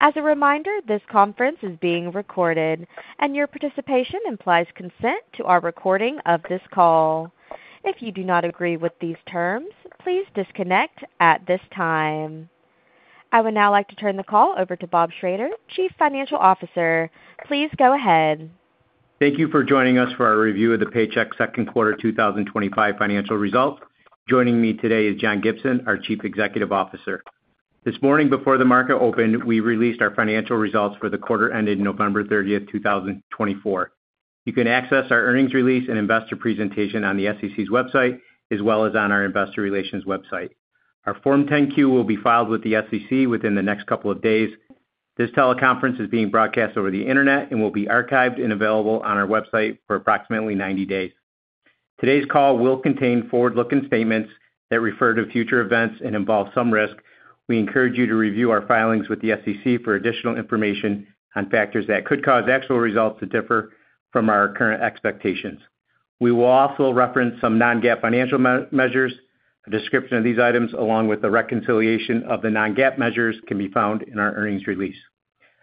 As a reminder, this conference is being recorded, and your participation implies consent to our recording of this call. If you do not agree with these terms, please disconnect at this time. I would now like to turn the call over to Bob Schrader, Chief Financial Officer. Please go ahead. Thank you for joining us for our review of the Paychex second quarter 2025 financial results. Joining me today is John Gibson, our Chief Executive Officer. This morning, before the market opened, we released our financial results for the quarter ended November 30th, 2024. You can access our earnings release and investor presentation on the SEC's website, as well as on our investor relations website. Our Form 10-Q will be filed with the SEC within the next couple of days. This teleconference is being broadcast over the internet and will be archived and available on our website for approximately 90 days. Today's call will contain forward-looking statements that refer to future events and involve some risk. We encourage you to review our filings with the SEC for additional information on factors that could cause actual results to differ from our current expectations. We will also reference some non-GAAP financial measures. A description of these items, along with the reconciliation of the non-GAAP measures, can be found in our earnings release.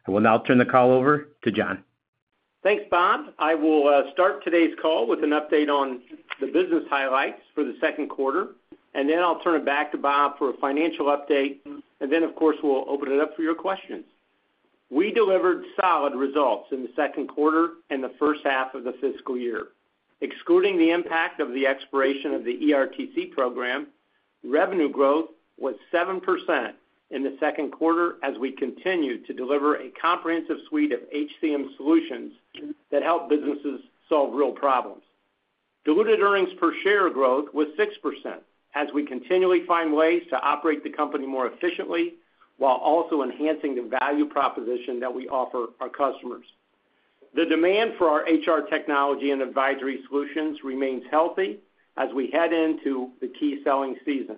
I will now turn the call over to John. Thanks, Bob. I will start today's call with an update on the business highlights for the second quarter, and then I'll turn it back to Bob for a financial update, and then, of course, we'll open it up for your questions. We delivered solid results in the second quarter and the first half of the fiscal year. Excluding the impact of the expiration of the ERTC program, revenue growth was 7% in the second quarter as we continued to deliver a comprehensive suite of HCM solutions that help businesses solve real problems. Diluted earnings per share growth was 6% as we continually find ways to operate the company more efficiently while also enhancing the value proposition that we offer our customers. The demand for our HR technology and advisory solutions remains healthy as we head into the key selling season.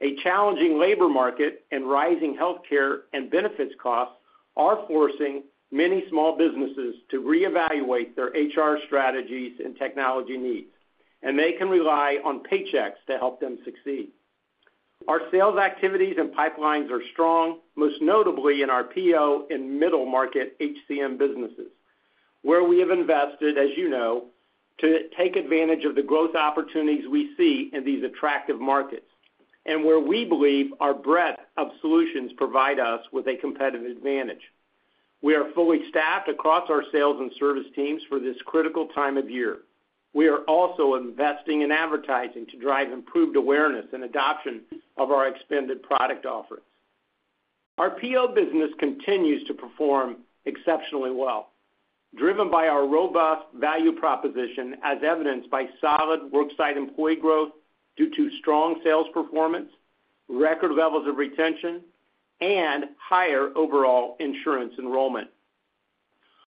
A challenging labor market and rising healthcare and benefits costs are forcing many small businesses to reevaluate their HR strategies and technology needs, and they can rely on Paychex to help them succeed. Our sales activities and pipelines are strong, most notably in our PEO and middle market HCM businesses, where we have invested, as you know, to take advantage of the growth opportunities we see in these attractive markets and where we believe our breadth of solutions provide us with a competitive advantage. We are fully staffed across our sales and service teams for this critical time of year. We are also investing in advertising to drive improved awareness and adoption of our expanded product offerings. Our PEO business continues to perform exceptionally well, driven by our robust value proposition, as evidenced by solid worksite employee growth due to strong sales performance, record levels of retention, and higher overall insurance enrollment.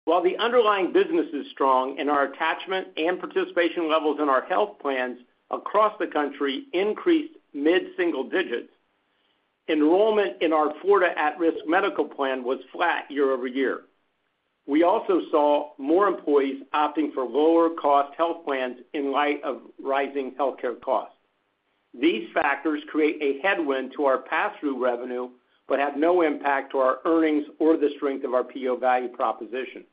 While the underlying business is strong and our attachment and participation levels in our health plans across the country increased mid-single digits, enrollment in our Florida at-risk medical plan was flat year over year. We also saw more employees opting for lower-cost health plans in light of rising healthcare costs. These factors create a headwind to our pass-through revenue but have no impact on our earnings or the strength of our PEO value proposition.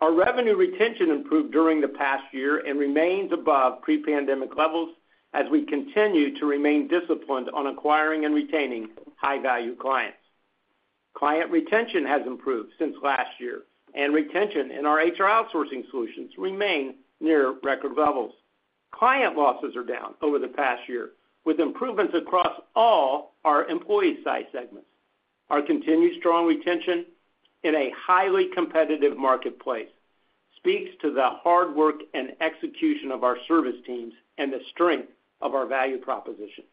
Our revenue retention improved during the past year and remains above pre-pandemic levels as we continue to remain disciplined on acquiring and retaining high-value clients. Client retention has improved since last year, and retention in our HR outsourcing solutions remains near record levels. Client losses are down over the past year, with improvements across all our employee-side segments. Our continued strong retention in a highly competitive marketplace speaks to the hard work and execution of our service teams and the strength of our value proposition.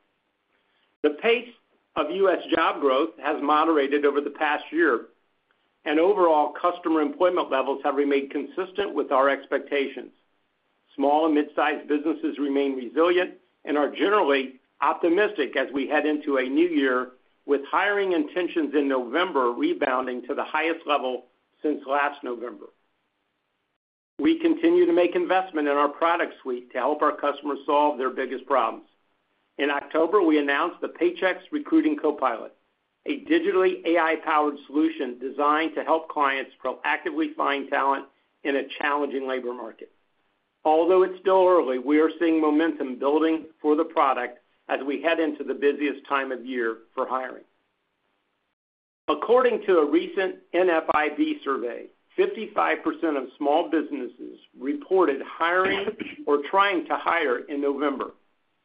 The pace of U.S. job growth has moderated over the past year, and overall customer employment levels have remained consistent with our expectations. Small and mid-sized businesses remain resilient and are generally optimistic as we head into a new year, with hiring intentions in November rebounding to the highest level since last November. We continue to make investment in our product suite to help our customers solve their biggest problems. In October, we announced the Paychex Recruiting Copilot, a digital AI-powered solution designed to help clients proactively find talent in a challenging labor market. Although it's still early, we are seeing momentum building for the product as we head into the busiest time of year for hiring. According to a recent NFIB survey, 55% of small businesses reported hiring or trying to hire in November,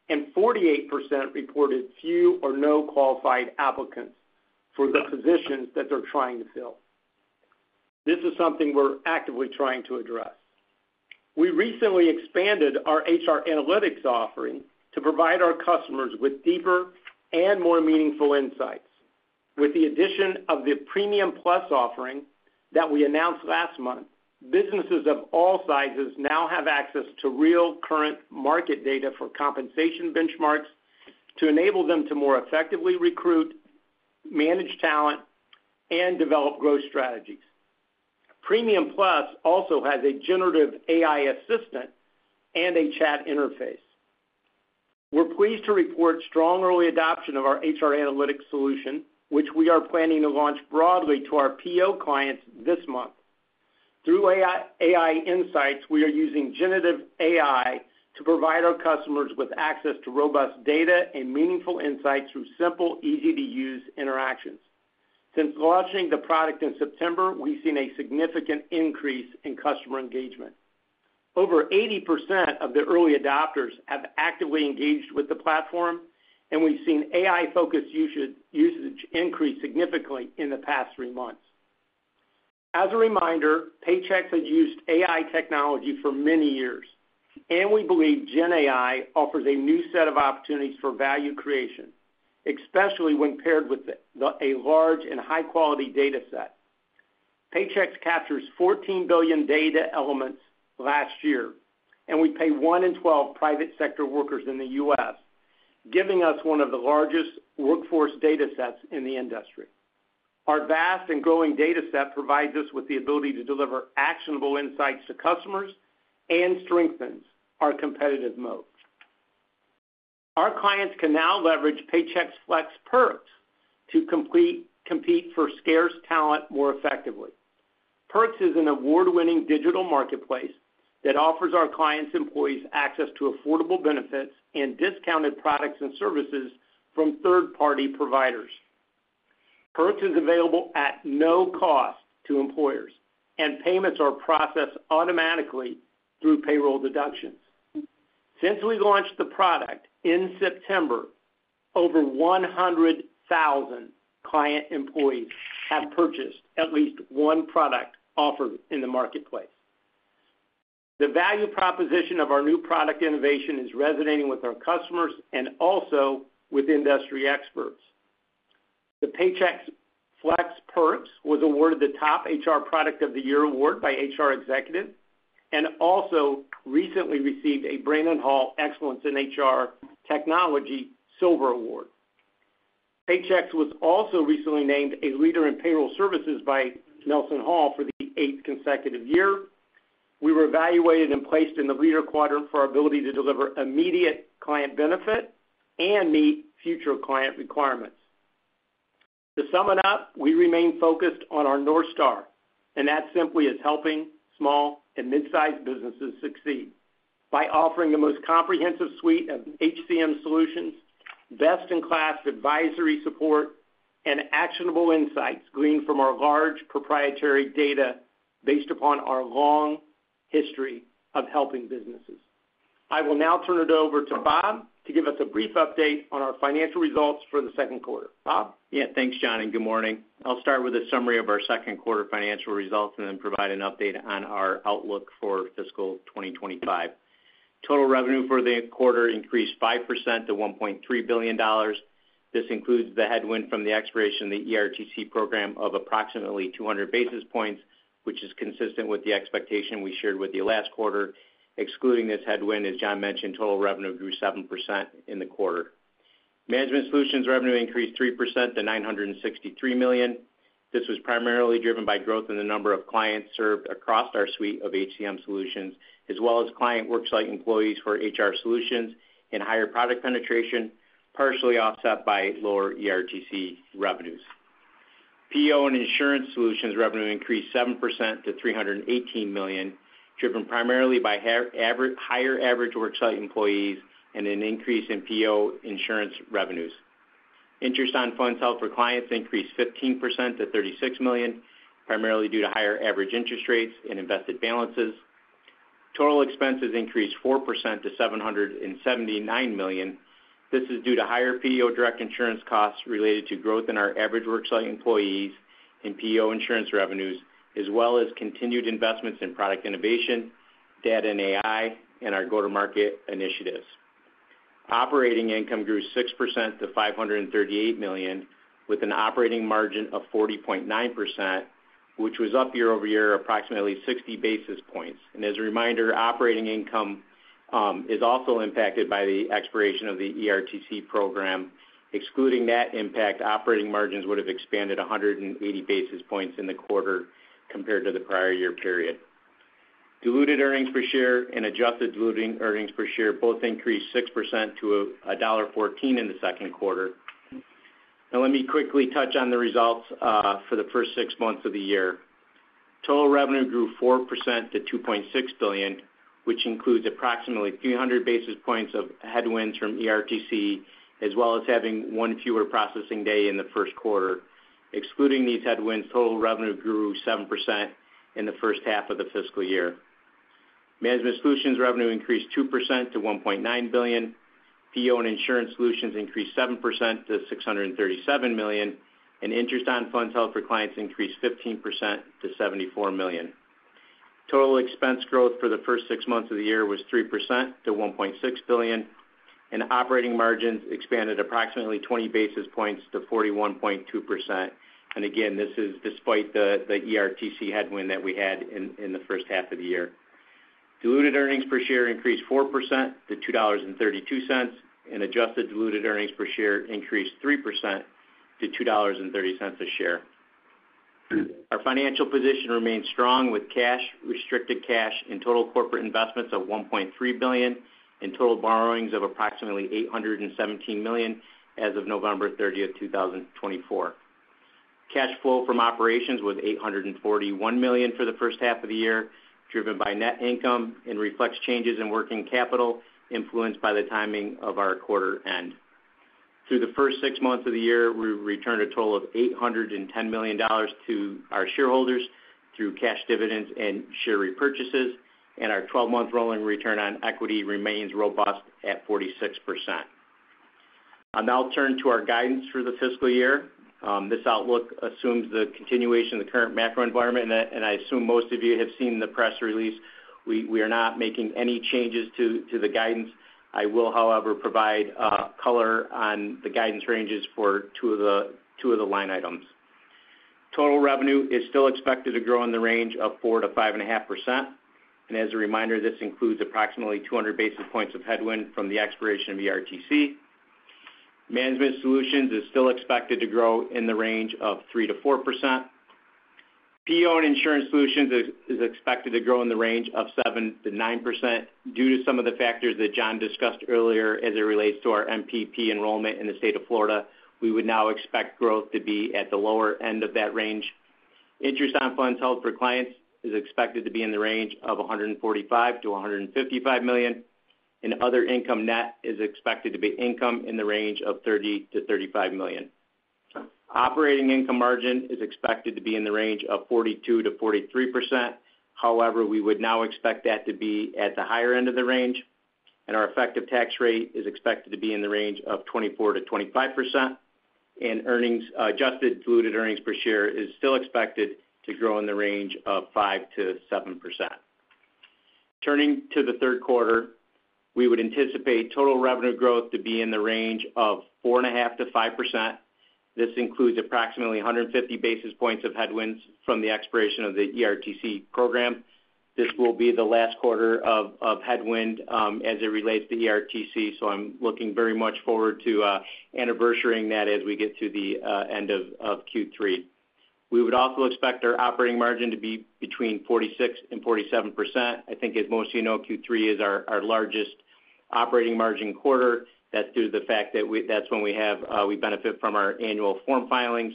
and 48% reported few or no qualified applicants for the positions that they're trying to fill. This is something we're actively trying to address. We recently expanded our HR analytics offering to provide our customers with deeper and more meaningful insights. With the addition of the Premium Plus offering that we announced last month, businesses of all sizes now have access to real current market data for compensation benchmarks to enable them to more effectively recruit, manage talent, and develop growth strategies. Premium Plus also has a generative AI assistant and a chat interface. We're pleased to report strong early adoption of our HR analytics solution, which we are planning to launch broadly to our PEO clients this month. Through AI insights, we are using generative AI to provide our customers with access to robust data and meaningful insights through simple, easy-to-use interactions. Since launching the product in September, we've seen a significant increase in customer engagement. Over 80% of the early adopters have actively engaged with the platform, and we've seen AI-focused usage increase significantly in the past three months. As a reminder, Paychex has used AI technology for many years, and we believe GenAI offers a new set of opportunities for value creation, especially when paired with a large and high-quality data set. Paychex captures 14 billion data elements last year, and we pay one in 12 private sector workers in the U.S., giving us one of the largest workforce data sets in the industry. Our vast and growing data set provides us with the ability to deliver actionable insights to customers and strengthens our competitive moat. Our clients can now leverage Paychex Flex Perks to compete for scarce talent more effectively. Perks is an award-winning digital marketplace that offers our clients' employees access to affordable benefits and discounted products and services from third-party providers. Perks is available at no cost to employers, and payments are processed automatically through payroll deductions. Since we launched the product in September, over 100,000 client employees have purchased at least one product offered in the marketplace. The value proposition of our new product innovation is resonating with our customers and also with industry experts. The Paychex Flex Perks was awarded the Top HR Product of the Year award by HR Executive and also recently received a Brandon Hall Excellence in HR Technology Silver award. Paychex was also recently named a leader in payroll services by NelsonHall for the eighth consecutive year. We were evaluated and placed in the leader quadrant for our ability to deliver immediate client benefit and meet future client requirements. To sum it up, we remain focused on our North Star, and that simply is helping small and mid-sized businesses succeed by offering the most comprehensive suite of HCM solutions, best-in-class advisory support, and actionable insights gleaned from our large proprietary data based upon our long history of helping businesses. I will now turn it over to Bob to give us a brief update on our financial results for the second quarter. Bob? Yeah, thanks, John, and good morning. I'll start with a summary of our second quarter financial results and then provide an update on our outlook for fiscal 2025. Total revenue for the quarter increased 5% to $1.3 billion. This includes the headwind from the expiration of the ERTC program of approximately 200 basis points, which is consistent with the expectation we shared with you last quarter. Excluding this headwind, as John mentioned, total revenue grew 7% in the quarter. Management Solutions revenue increased 3% to $963 million. This was primarily driven by growth in the number of clients served across our suite of HCM solutions, as well as client worksite employees for HR solutions and higher product penetration, partially offset by lower ERTC revenues. PEO and Insurance Solutions revenue increased 7% to $318 million, driven primarily by higher average worksite employees and an increase in PEO insurance revenues. Interest on funds held for clients increased 15% to $36 million, primarily due to higher average interest rates and invested balances. Total expenses increased 4% to $779 million. This is due to higher PEO direct insurance costs related to growth in our average worksite employees and PEO insurance revenues, as well as continued investments in product innovation, data and AI, and our go-to-market initiatives. Operating income grew 6% to $538 million, with an operating margin of 40.9%, which was up year-over-year approximately 60 basis points. As a reminder, operating income is also impacted by the expiration of the ERTC program. Excluding that impact, operating margins would have expanded 180 basis points in the quarter compared to the prior year period. Diluted earnings per share and adjusted diluted earnings per share both increased 6% to $1.14 in the second quarter. Now, let me quickly touch on the results for the first six months of the year. Total revenue grew 4% to $2.6 billion, which includes approximately 300 basis points of headwinds from ERTC, as well as having one fewer processing day in the first quarter. Excluding these headwinds, total revenue grew 7% in the first half of the fiscal year. Management Solutions revenue increased 2% to $1.9 billion. PEO and Insurance Solutions increased 7% to $637 million, and interest on funds held for clients increased 15% to $74 million. Total expense growth for the first six months of the year was 3% to $1.6 billion, and operating margins expanded approximately 20 basis points to 41.2%, and again, this is despite the ERTC headwind that we had in the first half of the year. Diluted earnings per share increased 4% to $2.32, and adjusted diluted earnings per share increased 3% to $2.30 a share. Our financial position remained strong with cash, restricted cash, and total corporate investments of $1.3 billion and total borrowings of approximately $817 million as of November 30, 2024. Cash flow from operations was $841 million for the first half of the year, driven by net income and changes in working capital influenced by the timing of our quarter end. Through the first six months of the year, we returned a total of $810 million to our shareholders through cash dividends and share repurchases, and our 12-month rolling return on equity remains robust at 46%. I'll now turn to our guidance for the fiscal year. This outlook assumes the continuation of the current macro environment, and I assume most of you have seen the press release. We are not making any changes to the guidance. I will, however, provide color on the guidance ranges for two of the line items. Total revenue is still expected to grow in the range of 4%-5.5%, and as a reminder, this includes approximately 200 basis points of headwind from the expiration of ERTC. Management Solutions is still expected to grow in the range of 3%-4%. PEO and Insurance Solutions is expected to grow in the range of 7%-9% due to some of the factors that John discussed earlier as it relates to our MPP enrollment in the state of Florida. We would now expect growth to be at the lower end of that range. Interest on funds held for clients is expected to be in the range of $145 million-$155 million, and other income net is expected to be income in the range of $30 million-$35 million. Operating income margin is expected to be in the range of 42%-43%. However, we would now expect that to be at the higher end of the range, and our effective tax rate is expected to be in the range of 24%-25%, and adjusted diluted earnings per share is still expected to grow in the range of 5%-7%. Turning to the third quarter, we would anticipate total revenue growth to be in the range of 4.5%-5%. This includes approximately 150 basis points of headwinds from the expiration of the ERTC program. This will be the last quarter of headwind as it relates to ERTC, so I'm looking very much forward to anniversarying that as we get to the end of Q3. We would also expect our operating margin to be between 46% and 47%. I think, as most of you know, Q3 is our largest operating margin quarter. That's due to the fact that that's when we benefit from our annual form filings.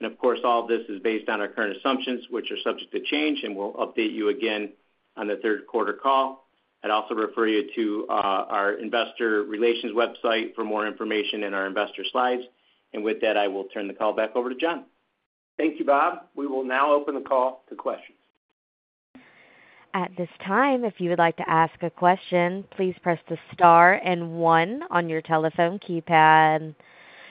And of course, all of this is based on our current assumptions, which are subject to change, and we'll update you again on the third quarter call. I'd also refer you to our investor relations website for more information and our investor slides. And with that, I will turn the call back over to John. Thank you, Bob. We will now open the call to questions. At this time, if you would like to ask a question, please press the star and one on your telephone keypad.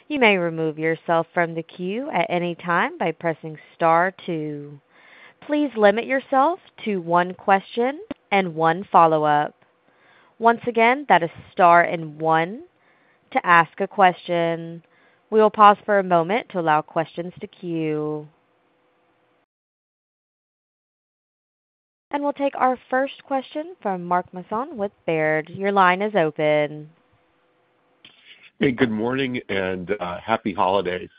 You may remove yourself from the queue at any time by pressing star two. Please limit yourself to one question and one follow-up. Once again, that is star and one to ask a question. We will pause for a moment to allow questions to queue. And we'll take our first question from Mark Marcon with Baird. Your line is open. Hey, good morning and happy holidays,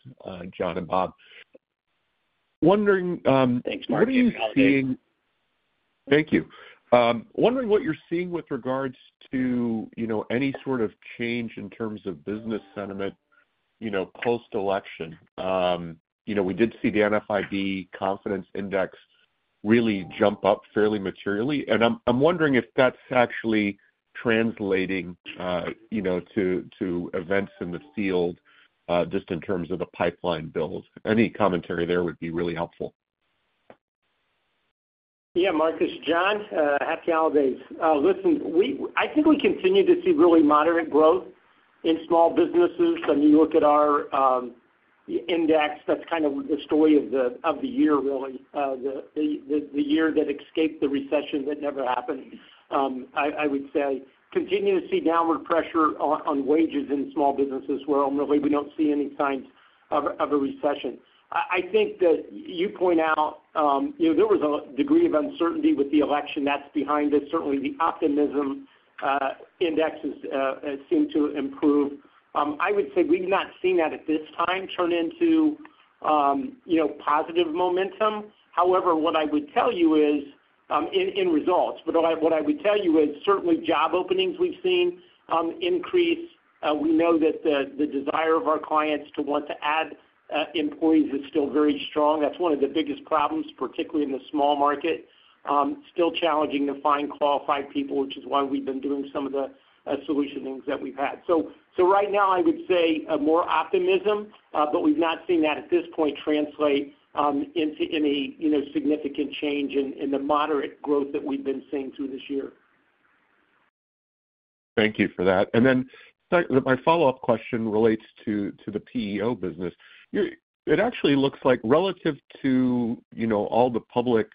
John and Bob. Wondering. Thanks, Mark. What are you seeing? Thank you. Wondering what you're seeing with regards to any sort of change in terms of business sentiment post-election. We did see the NFIB confidence index really jump up fairly materially, and I'm wondering if that's actually translating to events in the field just in terms of a pipeline build. Any commentary there would be really helpful. Yeah, Mark, it's John. Happy holidays. Listen, I think we continue to see really moderate growth in small businesses. When you look at our index, that's kind of the story of the year, really. The year that escaped the recession that never happened, I would say. We continue to see downward pressure on wages in small businesses. We're really not seeing any signs of a recession. I think that you point out there was a degree of uncertainty with the election that's behind us. Certainly, the optimism index has seemed to improve. I would say we've not seen that at this time turn into positive momentum. However, what I would tell you is in results. But what I would tell you is certainly job openings we've seen increase. We know that the desire of our clients to want to add employees is still very strong. That's one of the biggest problems, particularly in the small market. Still challenging to find qualified people, which is why we've been doing some of the solution things that we've had. So right now, I would say more optimism, but we've not seen that at this point translate into any significant change in the moderate growth that we've been seeing through this year. Thank you for that. And then my follow-up question relates to the PEO business. It actually looks like relative to all the public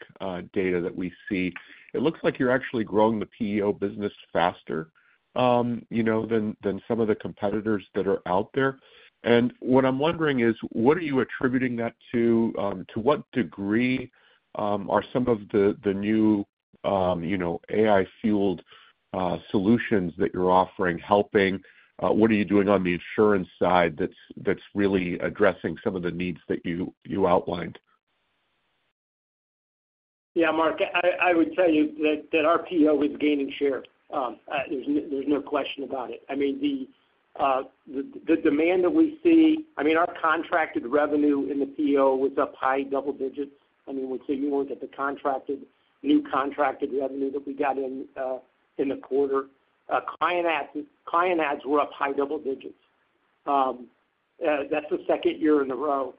data that we see, it looks like you're actually growing the PEO business faster than some of the competitors that are out there. And what I'm wondering is, what are you attributing that to? To what degree are some of the new AI-fueled solutions that you're offering helping? What are you doing on the insurance side that's really addressing some of the needs that you outlined? Yeah, Mark, I would tell you that our PEO is gaining share. There's no question about it. I mean, the demand that we see, I mean, our contracted revenue in the PEO was up high double digits. I mean, we're talking about the new contracted revenue that we got in the quarter. Client adds were up high double digits. That's the second year in a row.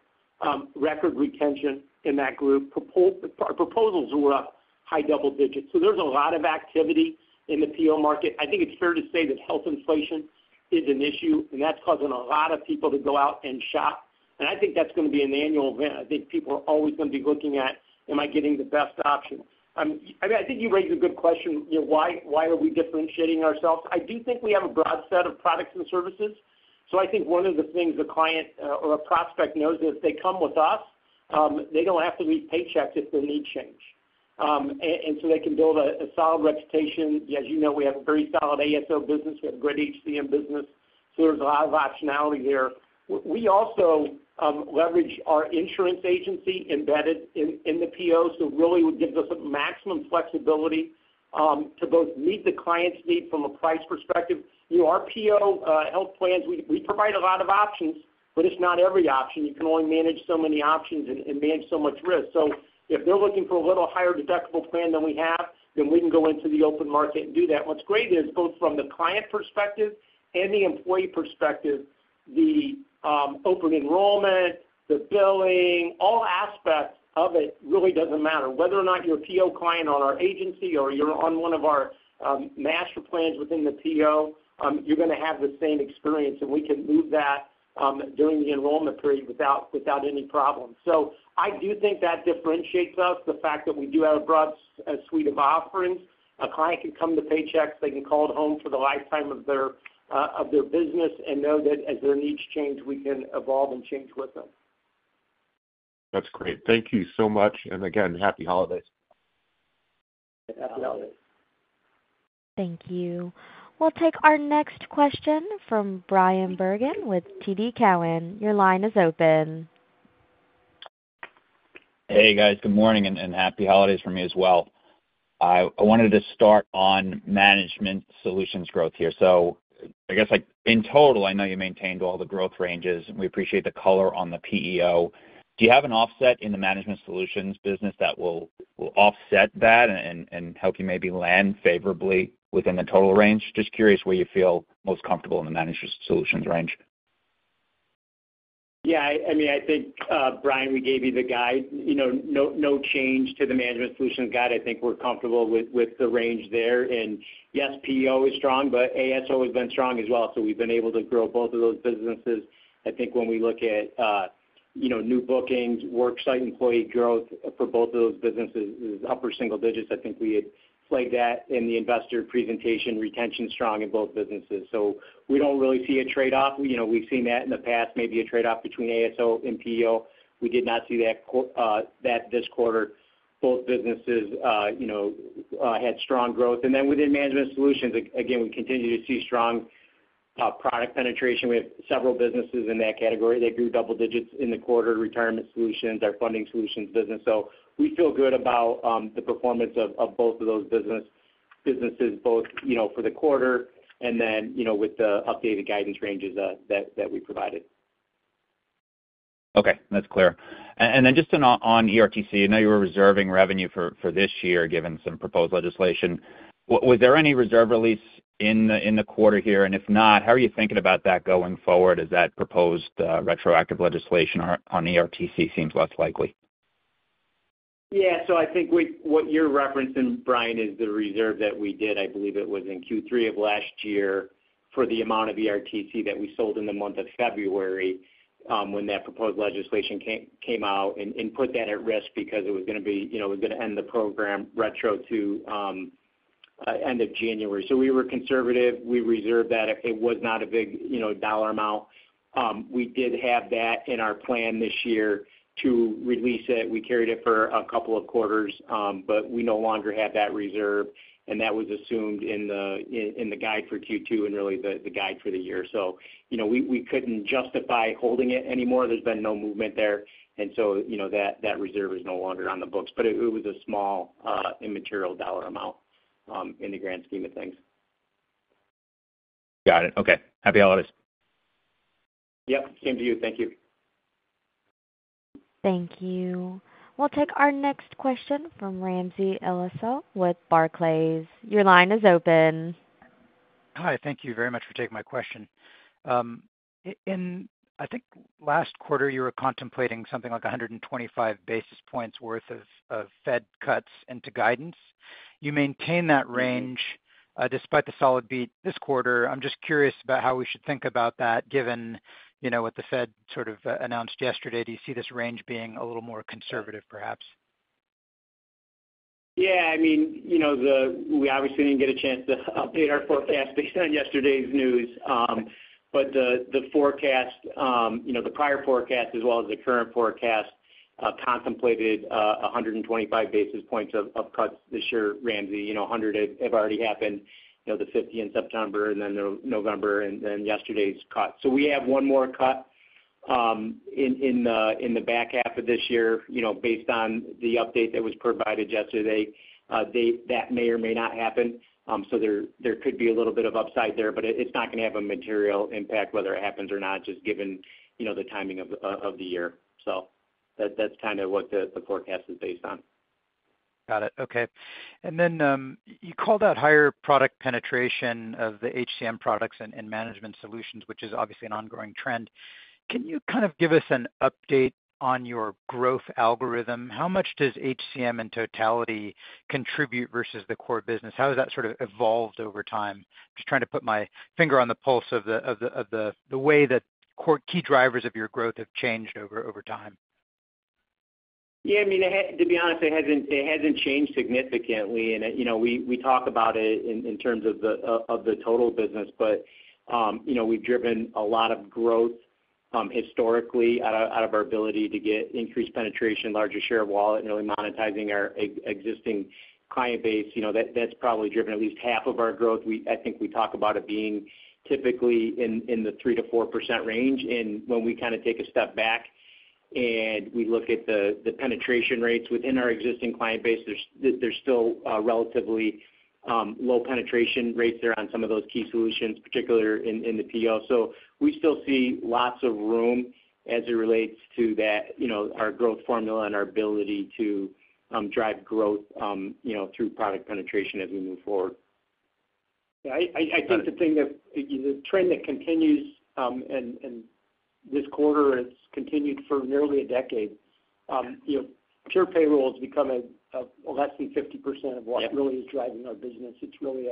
Record retention in that group. Proposals were up high double digits. So there's a lot of activity in the PEO market. I think it's fair to say that health inflation is an issue, and that's causing a lot of people to go out and shop. And I think that's going to be an annual event. I think people are always going to be looking at, "Am I getting the best option?" I mean, I think you raised a good question. Why are we differentiating ourselves? I do think we have a broad set of products and services. So I think one of the things a client or a prospect knows is if they come with us, they don't have to leave Paychex if their needs change. And so they can build a solid reputation. As you know, we have a very solid ASO business. We have a great HCM business. So there's a lot of optionality there. We also leverage our insurance agency embedded in the PEO, so really it gives us maximum flexibility to both meet the client's need from a price perspective. Our PEO health plans, we provide a lot of options, but it's not every option. You can only manage so many options and manage so much risk. So if they're looking for a little higher deductible plan than we have, then we can go into the open market and do that. What's great is both from the client perspective and the employee perspective, the open enrollment, the billing, all aspects of it really doesn't matter. Whether or not you're a PEO client on our agency or you're on one of our master plans within the PEO, you're going to have the same experience, and we can move that during the enrollment period without any problem. So I do think that differentiates us, the fact that we do have a broad suite of offerings. A client can come to Paychex. They can call it home for the lifetime of their business and know that as their needs change, we can evolve and change with them. That's great. Thank you so much, and again, happy holidays. Happy holidays. Thank you. We'll take our next question from Bryan Bergin with TD Cowen. Your line is open. Hey, guys. Good morning and happy holidays from me as well. I wanted to start on Management Solutions growth here. So I guess in total, I know you maintained all the growth ranges, and we appreciate the color on the PEO. Do you have an offset in the Management Solutions business that will offset that and help you maybe land favorably within the total range? Just curious where you feel most comfortable in the Management Solutions range? Yeah. I mean, I think, Bryan, we gave you the guide. No change to the Management Solutions guide. I think we're comfortable with the range there. And yes, PEO is strong, but ASO has been strong as well. So we've been able to grow both of those businesses. I think when we look at new bookings, worksite employee growth for both of those businesses is upper single digits. I think we had played that in the investor presentation. Retention is strong in both businesses. So we don't really see a trade-off. We've seen that in the past, maybe a trade-off between ASO and PEO. We did not see that this quarter. Both businesses had strong growth. And then within Management Solutions, again, we continue to see strong product penetration. We have several businesses in that category. They grew double digits in the quarter: retirement solutions, our funding solutions business. So we feel good about the performance of both of those businesses, both for the quarter and then with the updated guidance ranges that we provided. Okay. That's clear. And then just on ERTC, I know you were reserving revenue for this year given some proposed legislation. Was there any reserve release in the quarter here? And if not, how are you thinking about that going forward as that proposed retroactive legislation on ERTC seems less likely? Yeah. So I think what you're referencing, Bryan, is the reserve that we did. I believe it was in Q3 of last year for the amount of ERTC that we sold in the month of February when that proposed legislation came out and put that at risk because it was going to end the program retro to end of January. So we were conservative. We reserved that. It was not a big dollar amount. We did have that in our plan this year to release it. We carried it for a couple of quarters, but we no longer have that reserve. And that was assumed in the guide for Q2 and really the guide for the year. So we couldn't justify holding it anymore. There's been no movement there. And so that reserve is no longer on the books. But it was a small immaterial dollar amount in the grand scheme of things. Got it. Okay. Happy holidays. Yep. Same to you. Thank you. Thank you. We'll take our next question from Ramsey El-Assal with Barclays. Your line is open. Hi. Thank you very much for taking my question. In, I think, last quarter, you were contemplating something like 125 basis points' worth of Fed cuts into guidance. You maintain that range despite the solid beat this quarter. I'm just curious about how we should think about that given what the Fed sort of announced yesterday. Do you see this range being a little more conservative, perhaps? Yeah. I mean, we obviously didn't get a chance to update our forecast based on yesterday's news. But the forecast, the prior forecast as well as the current forecast, contemplated 125 basis points of cuts this year. Ramsey, 100 have already happened, the 50 in September and then November, and then yesterday's cut. So we have one more cut in the back half of this year based on the update that was provided yesterday. That may or may not happen. So there could be a little bit of upside there, but it's not going to have a material impact whether it happens or not, just given the timing of the year. So that's kind of what the forecast is based on. Got it. Okay. And then you called out higher product penetration of the HCM products and Management Solutions, which is obviously an ongoing trend. Can you kind of give us an update on your growth algorithm? How much does HCM in totality contribute versus the core business? How has that sort of evolved over time? Just trying to put my finger on the pulse of the way that key drivers of your growth have changed over time. Yeah. I mean, to be honest, it hasn't changed significantly. And we talk about it in terms of the total business, but we've driven a lot of growth historically out of our ability to get increased penetration, larger share of wallet, and really monetizing our existing client base. That's probably driven at least half of our growth. I think we talk about it being typically in the 3%-4% range. And when we kind of take a step back and we look at the penetration rates within our existing client base, there's still relatively low penetration rates there on some of those key solutions, particularly in the PEO. So we still see lots of room as it relates to our growth formula and our ability to drive growth through product penetration as we move forward. Yeah. I think the thing, the trend that continues and this quarter has continued for nearly a decade. Pure payroll has become less than 50% of what really is driving our business. It's really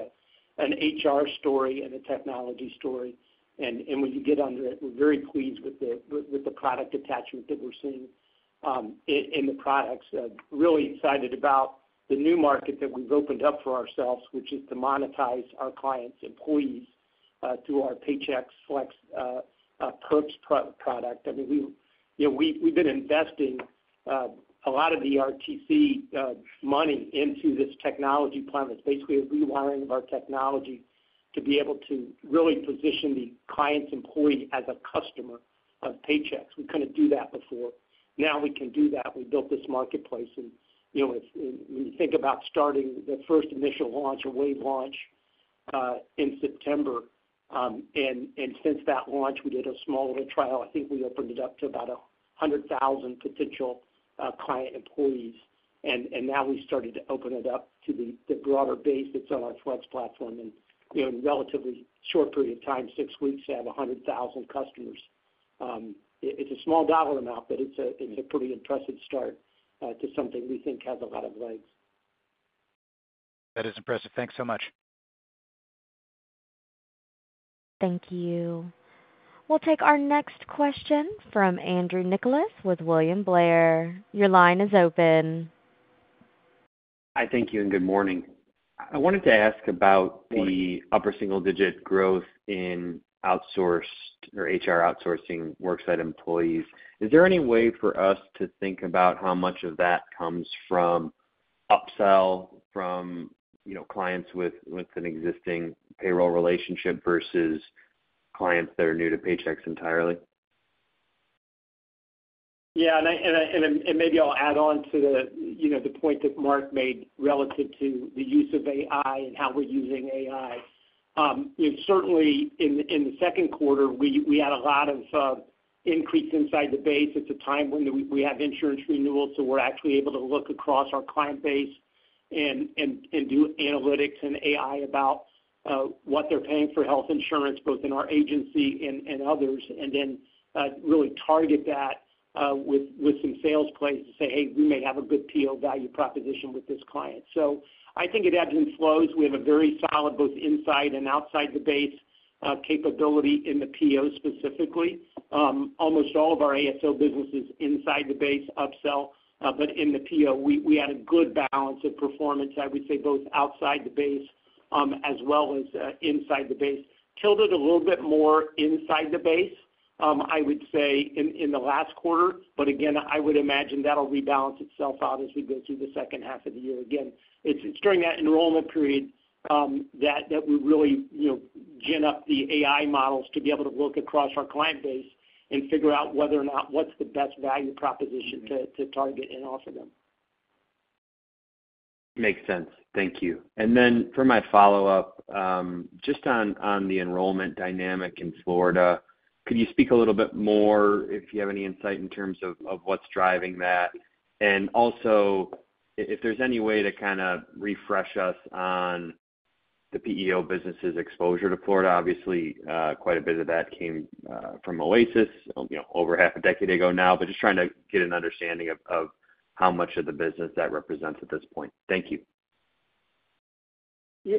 an HR story and a technology story. And when you get under it, we're very pleased with the product attachment that we're seeing in the products. Really excited about the new market that we've opened up for ourselves, which is to monetize our clients' employees through our Paychex Perks product. I mean, we've been investing a lot of ERTC money into this technology plan. It's basically a rewiring of our technology to be able to really position the client's employee as a customer of Paychex. We couldn't do that before. Now we can do that. We built this marketplace. And when you think about starting the first initial launch, a wave launch in September, and since that launch, we did a small little trial. I think we opened it up to about 100,000 potential client employees. And now we started to open it up to the broader base that's on our Flex platform. And in a relatively short period of time, six weeks, have 100,000 customers. It's a small dollar amount, but it's a pretty impressive start to something we think has a lot of legs. That is impressive. Thanks so much. Thank you. We'll take our next question from Andrew Nicholas with William Blair. Your line is open. Hi. Thank you. And good morning. I wanted to ask about the upper single digit growth in outsourced or HR outsourcing worksite employees. Is there any way for us to think about how much of that comes from upsell from clients with an existing payroll relationship versus clients that are new to Paychex entirely? Yeah. And maybe I'll add on to the point that Mark made relative to the use of AI and how we're using AI. Certainly, in the second quarter, we had a lot of increase inside the base. It's a time when we have insurance renewals, so we're actually able to look across our client base and do analytics and AI about what they're paying for health insurance, both in our agency and others, and then really target that with some sales plays to say, "Hey, we may have a good PEO value proposition with this client." So I think it ebbs and flows. We have a very solid both inside and outside the base capability in the PEO specifically. Almost all of our ASO businesses inside the base upsell, but in the PEO, we had a good balance of performance, I would say, both outside the base as well as inside the base. It tilted a little bit more inside the base, I would say, in the last quarter, but again, I would imagine that'll rebalance itself out as we go through the second half of the year again. It's during that enrollment period that we really gin up the AI models to be able to look across our client base and figure out whether or not what's the best value proposition to target and offer them. Makes sense. Thank you. And then for my follow-up, just on the enrollment dynamic in Florida, could you speak a little bit more if you have any insight in terms of what's driving that? And also, if there's any way to kind of refresh us on the PEO business's exposure to Florida, obviously, quite a bit of that came from Oasis over half a decade ago now, but just trying to get an understanding of how much of the business that represents at this point. Thank you. Yeah.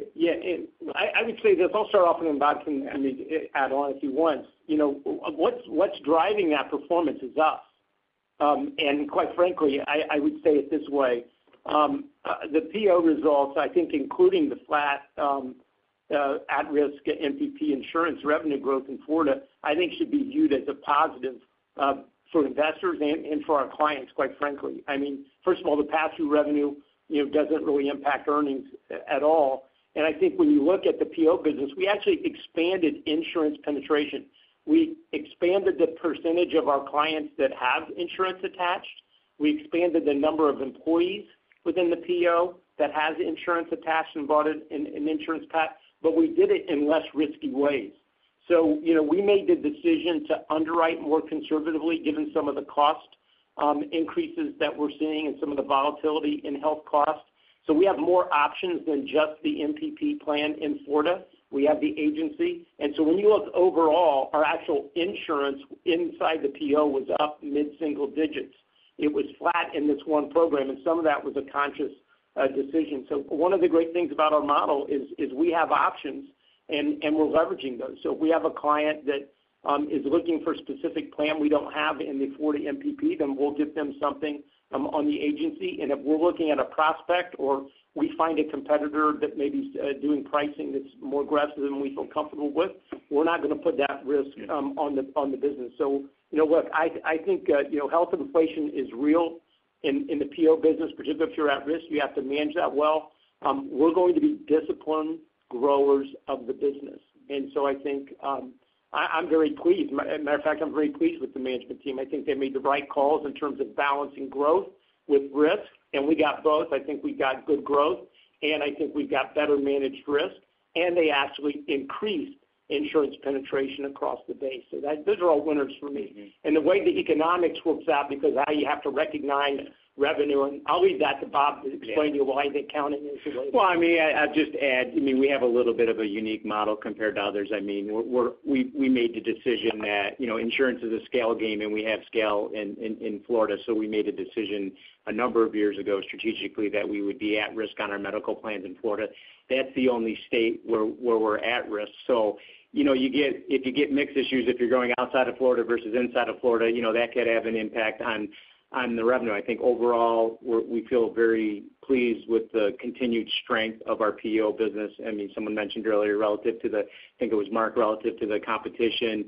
I would say that I'll start off in the bottom and then add on if you want. What's driving that performance is us. And quite frankly, I would say it this way. The PEO results, I think, including the flat at-risk MPP insurance revenue growth in Florida, I think should be viewed as a positive for investors and for our clients, quite frankly. I mean, first of all, the pass-through revenue doesn't really impact earnings at all. And I think when you look at the PEO business, we actually expanded insurance penetration. We expanded the percentage of our clients that have insurance attached. We expanded the number of employees within the PEO that has insurance attached and bought an insurance package, but we did it in less risky ways. So we made the decision to underwrite more conservatively given some of the cost increases that we're seeing and some of the volatility in health costs. So we have more options than just the MPP plan in Florida. We have the agency. And so when you look overall, our actual insurance inside the PEO was up mid-single digits. It was flat in this one program, and some of that was a conscious decision. So one of the great things about our model is we have options, and we're leveraging those. So if we have a client that is looking for a specific plan we don't have in the Florida MPP, then we'll give them something on the agency. And if we're looking at a prospect or we find a competitor that may be doing pricing that's more aggressive than we feel comfortable with, we're not going to put that risk on the business. So look, I think health inflation is real in the PEO business, particularly if you're at risk. You have to manage that well. We're going to be disciplined growers of the business. And so I think I'm very pleased. As a matter of fact, I'm very pleased with the management team. I think they made the right calls in terms of balancing growth with risk. And we got both. I think we got good growth, and I think we've got better managed risk. And they actually increased insurance penetration across the base. So those are all winners for me. And the way the economics works out because now you have to recognize revenue. I'll leave that to Bob to explain to you why the accounting is the way. I mean, I'll just add. I mean, we have a little bit of a unique model compared to others. I mean, we made the decision that insurance is a scale game, and we have scale in Florida. We made a decision a number of years ago strategically that we would be at risk on our medical plans in Florida. That's the only state where we're at risk. If you get mixed issues, if you're going outside of Florida versus inside of Florida, that could have an impact on the revenue. I think overall, we feel very pleased with the continued strength of our PEO business. I mean, someone mentioned earlier relative to the, I think it was Mark, relative to the competition.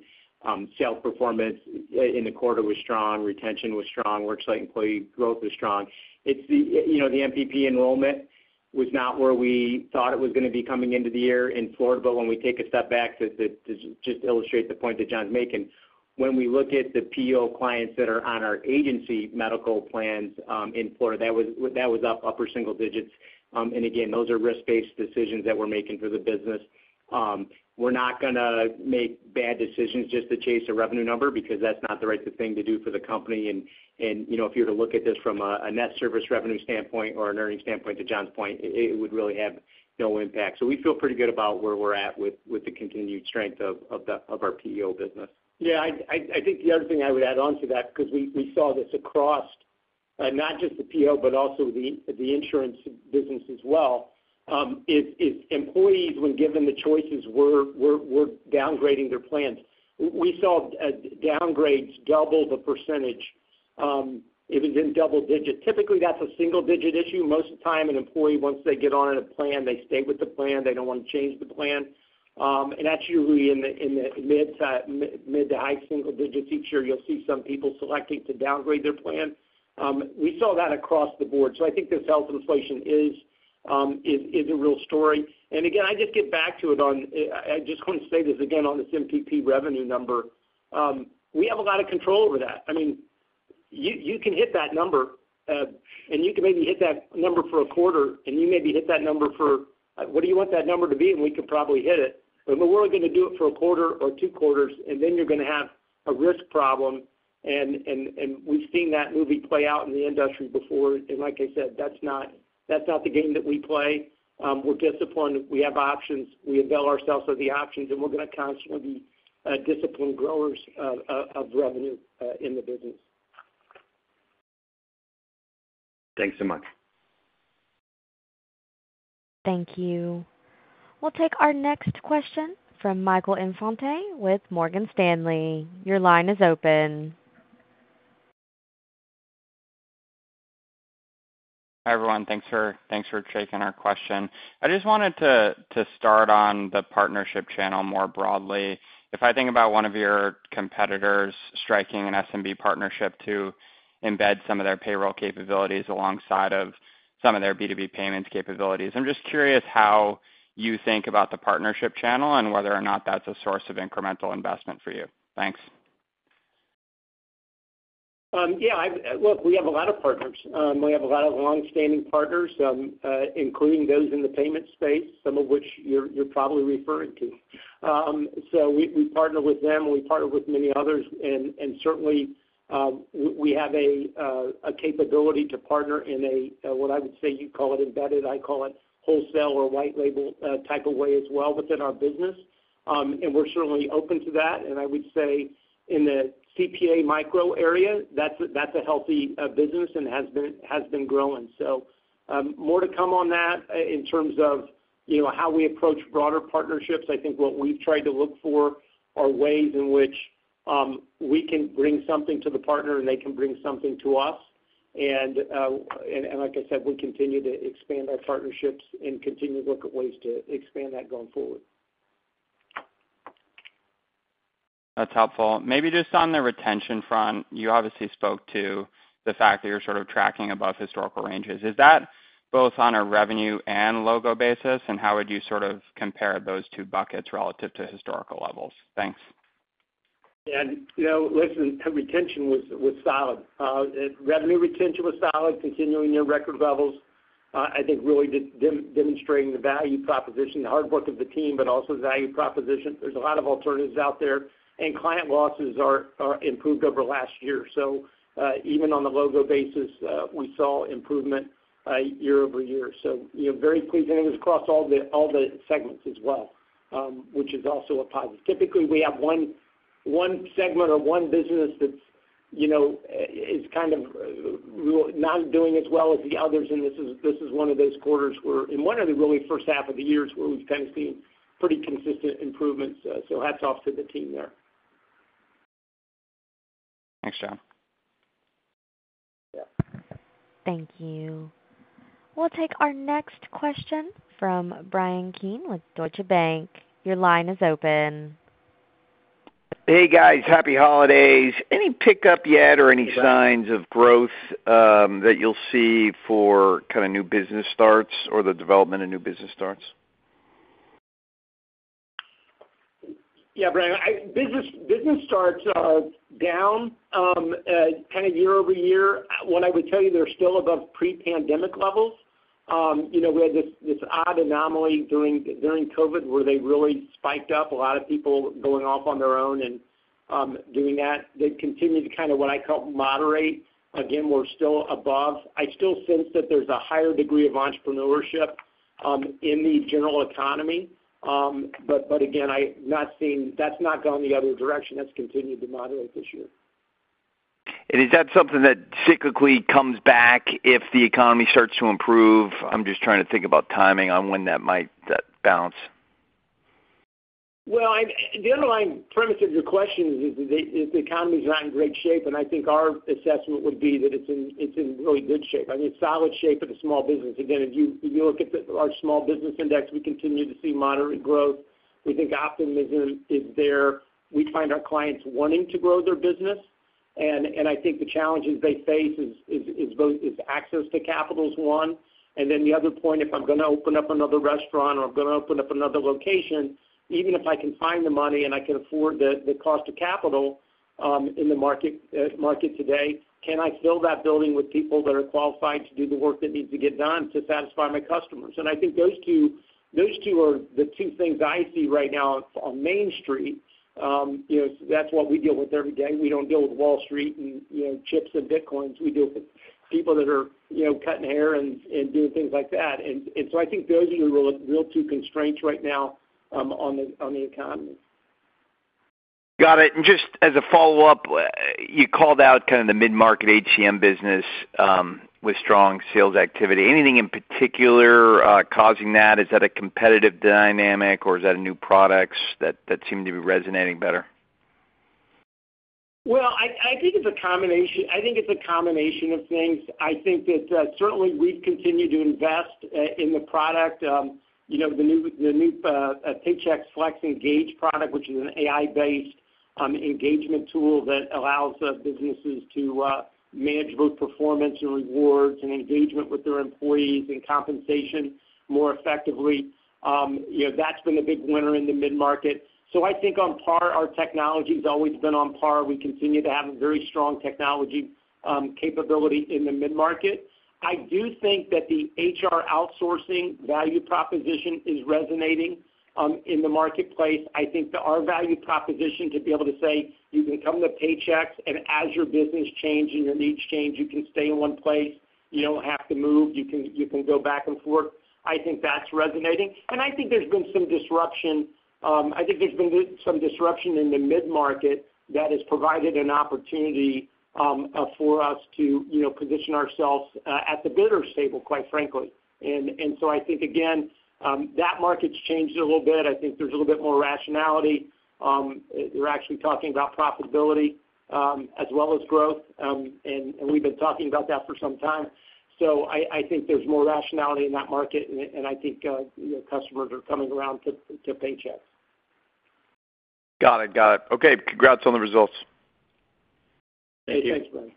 Sales performance in the quarter was strong, retention was strong, worksite employee growth was strong. The MPP enrollment was not where we thought it was going to be coming into the year in Florida, but when we take a step back to just illustrate the point that John's making, when we look at the PEO clients that are on our agency medical plans in Florida, that was up upper single digits, and again, those are risk-based decisions that we're making for the business. We're not going to make bad decisions just to chase a revenue number because that's not the right thing to do for the company. And if you were to look at this from a net service revenue standpoint or an earnings standpoint, to John's point, it would really have no impact. So we feel pretty good about where we're at with the continued strength of our PEO business. Yeah. I think the other thing I would add on to that because we saw this across not just the PEO, but also the insurance business as well, is employees, when given the choices, were downgrading their plans. We saw downgrades double the percentage. It was in double digits. Typically, that's a single-digit issue. Most of the time, an employee, once they get on a plan, they stay with the plan. They don't want to change the plan. And that's usually in the mid to high single digits. Each year, you'll see some people selecting to downgrade their plan. We saw that across the board. So I think this health inflation is a real story. And again, I just get back to it on I just want to say this again on this MPP revenue number. We have a lot of control over that. I mean, you can hit that number, and you can maybe hit that number for a quarter, and you maybe hit that number for what do you want that number to be? And we could probably hit it. But we're only going to do it for a quarter or two quarters, and then you're going to have a risk problem. And we've seen that movie play out in the industry before. And like I said, that's not the game that we play. We're disciplined. We have options. We avail ourselves of the options, and we're going to constantly be disciplined growers of revenue in the business. Thanks so much. Thank you. We'll take our next question from Michael Infante with Morgan Stanley. Your line is open. Hi, everyone. Thanks for taking our question. I just wanted to start on the partnership channel more broadly. If I think about one of your competitors striking an SMB partnership to embed some of their payroll capabilities alongside of some of their B2B payments capabilities, I'm just curious how you think about the partnership channel and whether or not that's a source of incremental investment for you. Thanks. Yeah. Look, we have a lot of partners. We have a lot of long-standing partners, including those in the payment space, some of which you're probably referring to. So we partner with them, and we partner with many others. And certainly, we have a capability to partner in a, what I would say you call it embedded. I call it wholesale or white-label type of way as well within our business. And we're certainly open to that. And I would say in the CPA micro area, that's a healthy business and has been growing. So more to come on that in terms of how we approach broader partnerships. I think what we've tried to look for are ways in which we can bring something to the partner, and they can bring something to us. Like I said, we continue to expand our partnerships and continue to look at ways to expand that going forward. That's helpful. Maybe just on the retention front, you obviously spoke to the fact that you're sort of tracking above historical ranges. Is that both on a revenue and logo basis? And how would you sort of compare those two buckets relative to historical levels? Thanks. Yeah. Listen, retention was solid. Revenue retention was solid, continuing near record levels. I think really demonstrating the value proposition, the hard work of the team, but also the value proposition. There's a lot of alternatives out there, and client losses are improved over the last year. So even on the logo basis, we saw improvement year over year, so very pleasing. It was across all the segments as well, which is also a positive. Typically, we have one segment or one business that is kind of not doing as well as the others, and this is one of those quarters where in one of the really first half of the years where we've kind of seen pretty consistent improvements, so hats off to the team there. Thanks, John. Yeah. Thank you. We'll take our next question from Bryan Keane with Deutsche Bank. Your line is open. Hey, guys. Happy holidays. Any pickup yet or any signs of growth that you'll see for kind of new business starts or the development of new business starts? Yeah, Bryan. Business starts are down kind of year over year. What I would tell you, they're still above pre-pandemic levels. We had this odd anomaly during COVID where they really spiked up. A lot of people going off on their own and doing that. They continue to kind of what I call moderate. Again, we're still above. I still sense that there's a higher degree of entrepreneurship in the general economy. But again, that's not gone the other direction. That's continued to moderate this year. Is that something that cyclically comes back if the economy starts to improve? I'm just trying to think about timing on when that might balance. Well, the underlying premise of your question is that the economy is not in great shape. And I think our assessment would be that it's in really good shape. I mean, solid shape of the small business. Again, if you look at our small business index, we continue to see moderate growth. We think optimism is there. We find our clients wanting to grow their business. And I think the challenges they face is access to capital is one. And then the other point, if I'm going to open up another restaurant or I'm going to open up another location, even if I can find the money and I can afford the cost of capital in the market today, can I fill that building with people that are qualified to do the work that needs to get done to satisfy my customers? And I think those two are the two things I see right now on Main Street. That's what we deal with every day. We don't deal with Wall Street and chips and bitcoins. We deal with people that are cutting hair and doing things like that. And so I think those are the real two constraints right now on the economy. Got it. And just as a follow-up, you called out kind of the mid-market HCM business with strong sales activity. Anything in particular causing that? Is that a competitive dynamic, or is that a new product that seemed to be resonating better? I think it's a combination. I think it's a combination of things. I think that certainly we've continued to invest in the product, the new Paychex Flex Engage product, which is an AI-based engagement tool that allows businesses to manage both performance and rewards and engagement with their employees and compensation more effectively. That's been the big winner in the mid-market. I think on par, our technology has always been on par. We continue to have a very strong technology capability in the mid-market. I do think that the HR outsourcing value proposition is resonating in the marketplace. I think our value proposition to be able to say, "You can come to Paychex, and as your business changes and your needs change, you can stay in one place. You don't have to move. You can go back and forth." I think that's resonating. I think there's been some disruption. I think there's been some disruption in the mid-market that has provided an opportunity for us to position ourselves at the bidder's table, quite frankly. I think, again, that market's changed a little bit. I think there's a little bit more rationality. They're actually talking about profitability as well as growth. We've been talking about that for some time. I think there's more rationality in that market, and I think customers are coming around to Paychex. Got it. Got it. Okay. Congrats on the results. Thank you. Thanks, Bryan.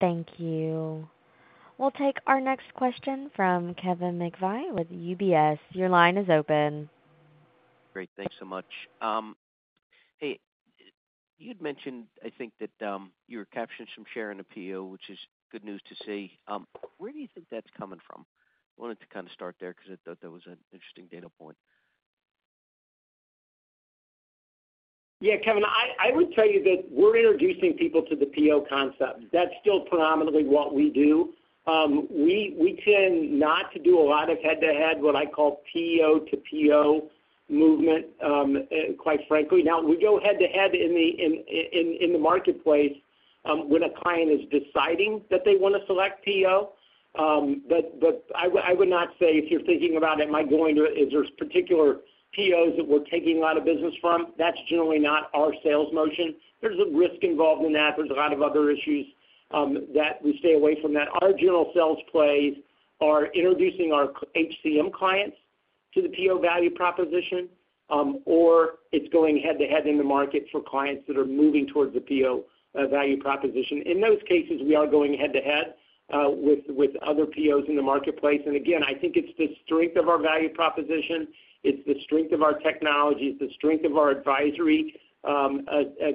Thank you. We'll take our next question from Kevin McVeigh with UBS. Your line is open. Great. Thanks so much. Hey, you'd mentioned, I think, that you were capturing some share in a PEO, which is good news to see. Where do you think that's coming from? I wanted to kind of start there because I thought that was an interesting data point. Yeah, Kevin, I would tell you that we're introducing people to the PEO concept. That's still predominantly what we do. We tend not to do a lot of head-to-head, what I call PEO-to-PEO movement, quite frankly. Now, we go head-to-head in the marketplace when a client is deciding that they want to select PEO. But I would not say if you're thinking about, "Am I going to is there particular PEOs that we're taking a lot of business from?" That's generally not our sales motion. There's a risk involved in that. There's a lot of other issues that we stay away from that. Our general sales plays are introducing our HCM clients to the PEO value proposition, or it's going head-to-head in the market for clients that are moving towards the PEO value proposition. In those cases, we are going head-to-head with other PEOs in the marketplace. And again, I think it's the strength of our value proposition. It's the strength of our technology. It's the strength of our advisory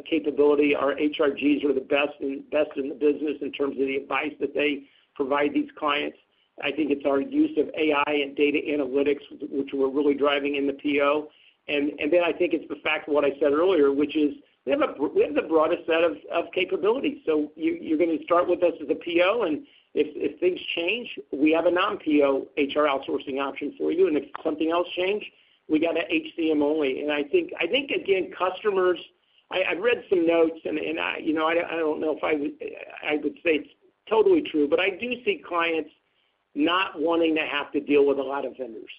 capability. Our HRGs are the best in the business in terms of the advice that they provide these clients. I think it's our use of AI and data analytics, which we're really driving in the PEO. And then I think it's the fact of what I said earlier, which is we have the broadest set of capabilities. So you're going to start with us as a PEO, and if things change, we have a non-PEO HR outsourcing option for you. And if something else changes, we got an HCM only. And I think, again, customers, I've read some notes, and I don't know if I would say it's totally true, but I do see clients not wanting to have to deal with a lot of vendors.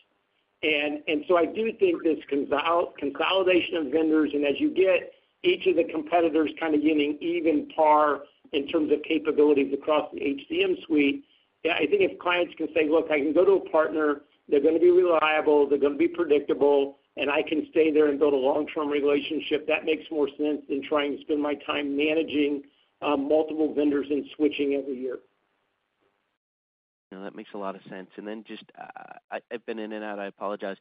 And so I do think this consolidation of vendors and as you get each of the competitors kind of getting even par in terms of capabilities across the HCM suite, I think if clients can say, "Look, I can go to a partner. They're going to be reliable. They're going to be predictable. And I can stay there and build a long-term relationship," that makes more sense than trying to spend my time managing multiple vendors and switching every year. No, that makes a lot of sense. And then just I've been in and out. I apologize.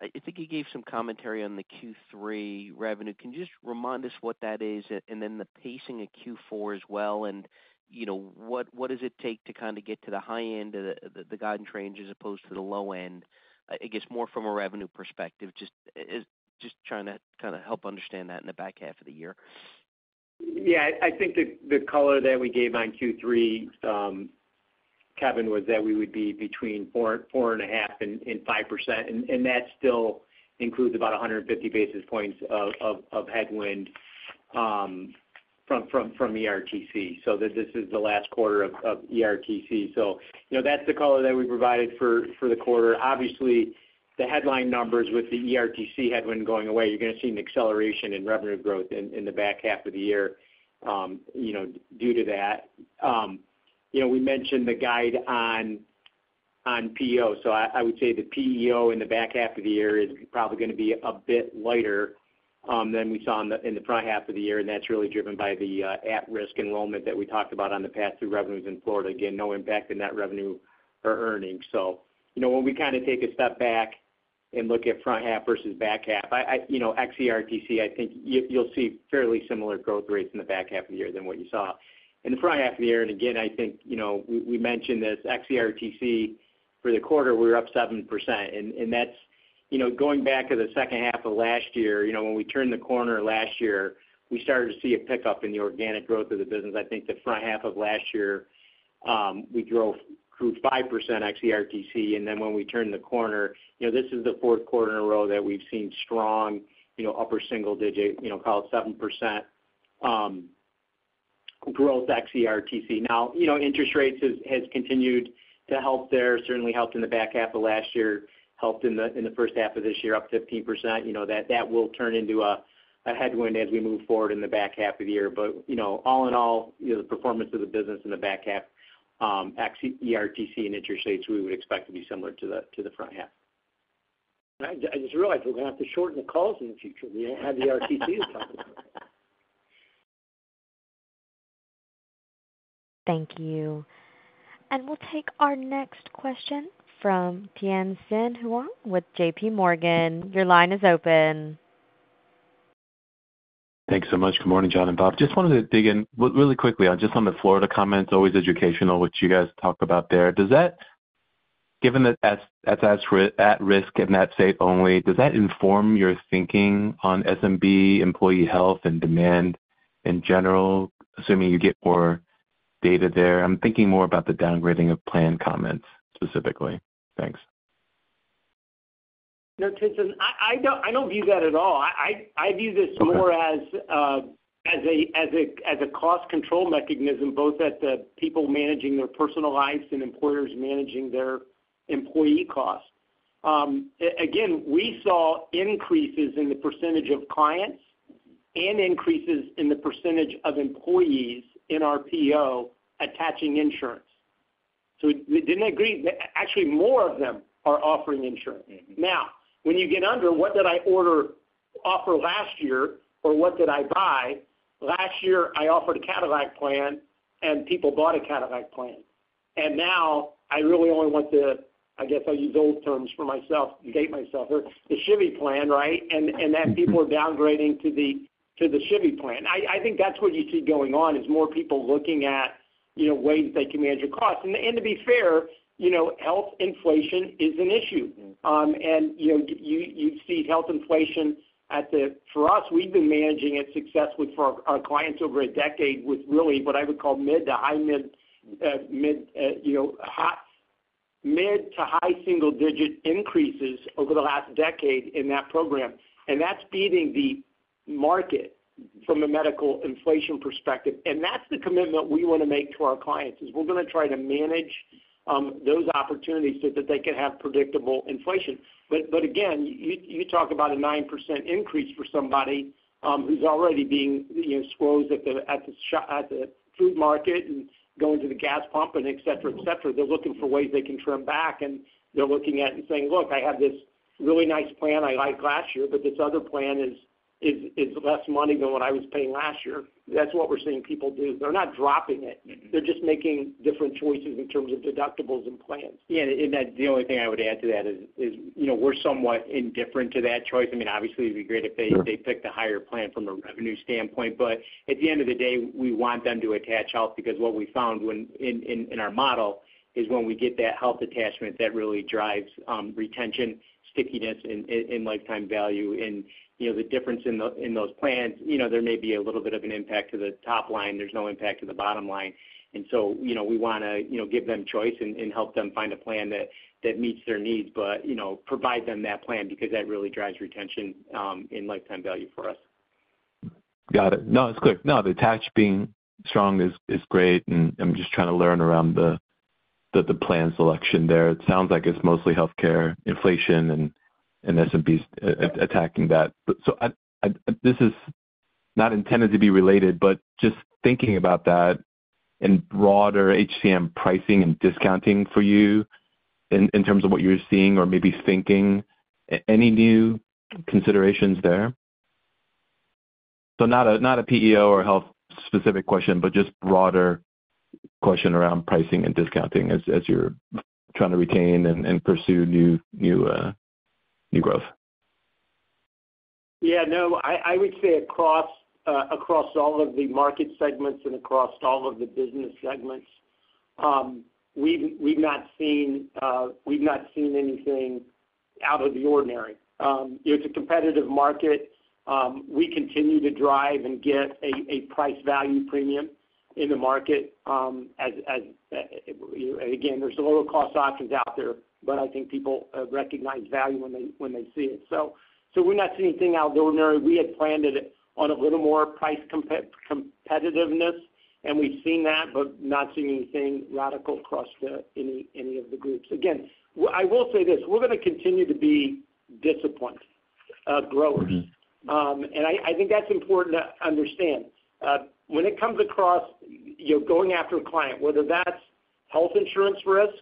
I think you gave some commentary on the Q3 revenue. Can you just remind us what that is and then the pacing of Q4 as well? And what does it take to kind of get to the high end of the guidance range as opposed to the low end? I guess more from a revenue perspective, just trying to kind of help understand that in the back half of the year. Yeah. I think the color that we gave on Q3, Kevin, was that we would be between 4.5%-5%. And that still includes about 150 basis points of headwind from ERTC. So this is the last quarter of ERTC. So that's the color that we provided for the quarter. Obviously, the headline numbers with the ERTC headwind going away, you're going to see an acceleration in revenue growth in the back half of the year due to that. We mentioned the guide on PEO. So I would say the PEO in the back half of the year is probably going to be a bit lighter than we saw in the front half of the year. And that's really driven by the at-risk enrollment that we talked about on the past two earnings in Florida. Again, no impact in that revenue or earnings. When we kind of take a step back and look at front half versus back half ex-ERTC, I think you'll see fairly similar growth rates in the back half of the year than what you saw in the front half of the year. Again, I think we mentioned this ex-ERTC for the quarter, we were up 7%. That's going back to the second half of last year. When we turned the corner last year, we started to see a pickup in the organic growth of the business. I think the front half of last year, we grew 5% ex-ERTC. When we turned the corner, this is the fourth quarter in a row that we've seen strong upper single-digit, call it 7% growth ex-ERTC. Now, interest rates have continued to help there, certainly helped in the back half of last year, helped in the first half of this year up 15%. That will turn into a headwind as we move forward in the back half of the year. But all in all, the performance of the business in the back half, ERTC and interest rates, we would expect to be similar to the front half. I just realized we're going to have to shorten the calls in the future. We don't have ERTC to talk about. Thank you. And we'll take our next question from Tien-tsin Huang with JPMorgan. Your line is open. Thanks so much. Good morning, John and Bob. Just wanted to dig in really quickly. Just on the Florida comments, always educational, what you guys talk about there. Given that that's at risk and that's state only, does that inform your thinking on SMB employee health and demand in general, assuming you get more data there? I'm thinking more about the downgrading of planned comments specifically. Thanks. No, Tien-tsin, I don't view that at all. I view this more as a cost control mechanism, both at the people managing their personal lives and employers managing their employee costs. Again, we saw increases in the percentage of clients and increases in the percentage of employees in our PEO attaching insurance. So didn't I agree? Actually, more of them are offering insurance. Now, when you get under, what did I offer last year or what did I buy? Last year, I offered a Cadillac plan, and people bought a Cadillac plan. And now, I really only want to, I guess I'll use old terms for myself, date myself, the Chevy plan, right? And then people are downgrading to the Chevy plan. I think that's what you see going on is more people looking at ways they can manage your costs. And to be fair, health inflation is an issue. And you see health inflation at the, for us, we've been managing it successfully for our clients over a decade with really what I would call mid- to high-single-digit increases over the last decade in that program. And that's beating the market from a medical inflation perspective. And that's the commitment we want to make to our clients is we're going to try to manage those opportunities so that they can have predictable inflation. But again, you talk about a 9% increase for somebody who's already being squozed at the food market and going to the gas pump and etc., etc. They're looking for ways they can trim back, and they're looking at and saying, "Look, I have this really nice plan I liked last year, but this other plan is less money than what I was paying last year." That's what we're seeing people do. They're not dropping it. They're just making different choices in terms of deductibles and plans. Yeah. And the only thing I would add to that is we're somewhat indifferent to that choice. I mean, obviously, it'd be great if they picked a higher plan from a revenue standpoint. But at the end of the day, we want them to attach health because what we found in our model is when we get that health attachment, that really drives retention, stickiness, and lifetime value. And the difference in those plans, there may be a little bit of an impact to the top line. There's no impact to the bottom line. And so we want to give them choice and help them find a plan that meets their needs, but provide them that plan because that really drives retention and lifetime value for us. Got it. No, that's good. No, the attach being strong is great, and I'm just trying to learn around the plan selection there. It sounds like it's mostly healthcare, inflation, and SMBs attacking that. So this is not intended to be related, but just thinking about that and broader HCM pricing and discounting for you in terms of what you're seeing or maybe thinking, any new considerations there? So not a PEO or health-specific question, but just broader question around pricing and discounting as you're trying to retain and pursue new growth. Yeah. No, I would say across all of the market segments and across all of the business segments, we've not seen anything out of the ordinary. It's a competitive market. We continue to drive and get a price value premium in the market. And again, there's lower-cost options out there, but I think people recognize value when they see it. So we're not seeing anything out of the ordinary. We had planned it on a little more price competitiveness, and we've seen that, but not seeing anything radical across any of the groups. Again, I will say this. We're going to continue to be disciplined growers. And I think that's important to understand. When it comes to going after a client, whether that's health insurance risk,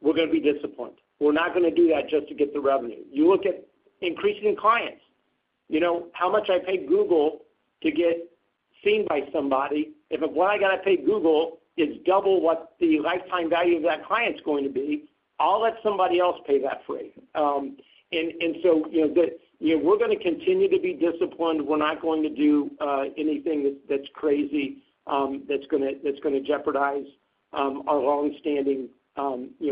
we're going to be disciplined. We're not going to do that just to get the revenue. You look at increasing clients. How much I pay Google to get seen by somebody? If what I got to pay Google is double what the lifetime value of that client's going to be, I'll let somebody else pay that for me. And so we're going to continue to be disciplined. We're not going to do anything that's crazy that's going to jeopardize our long-standing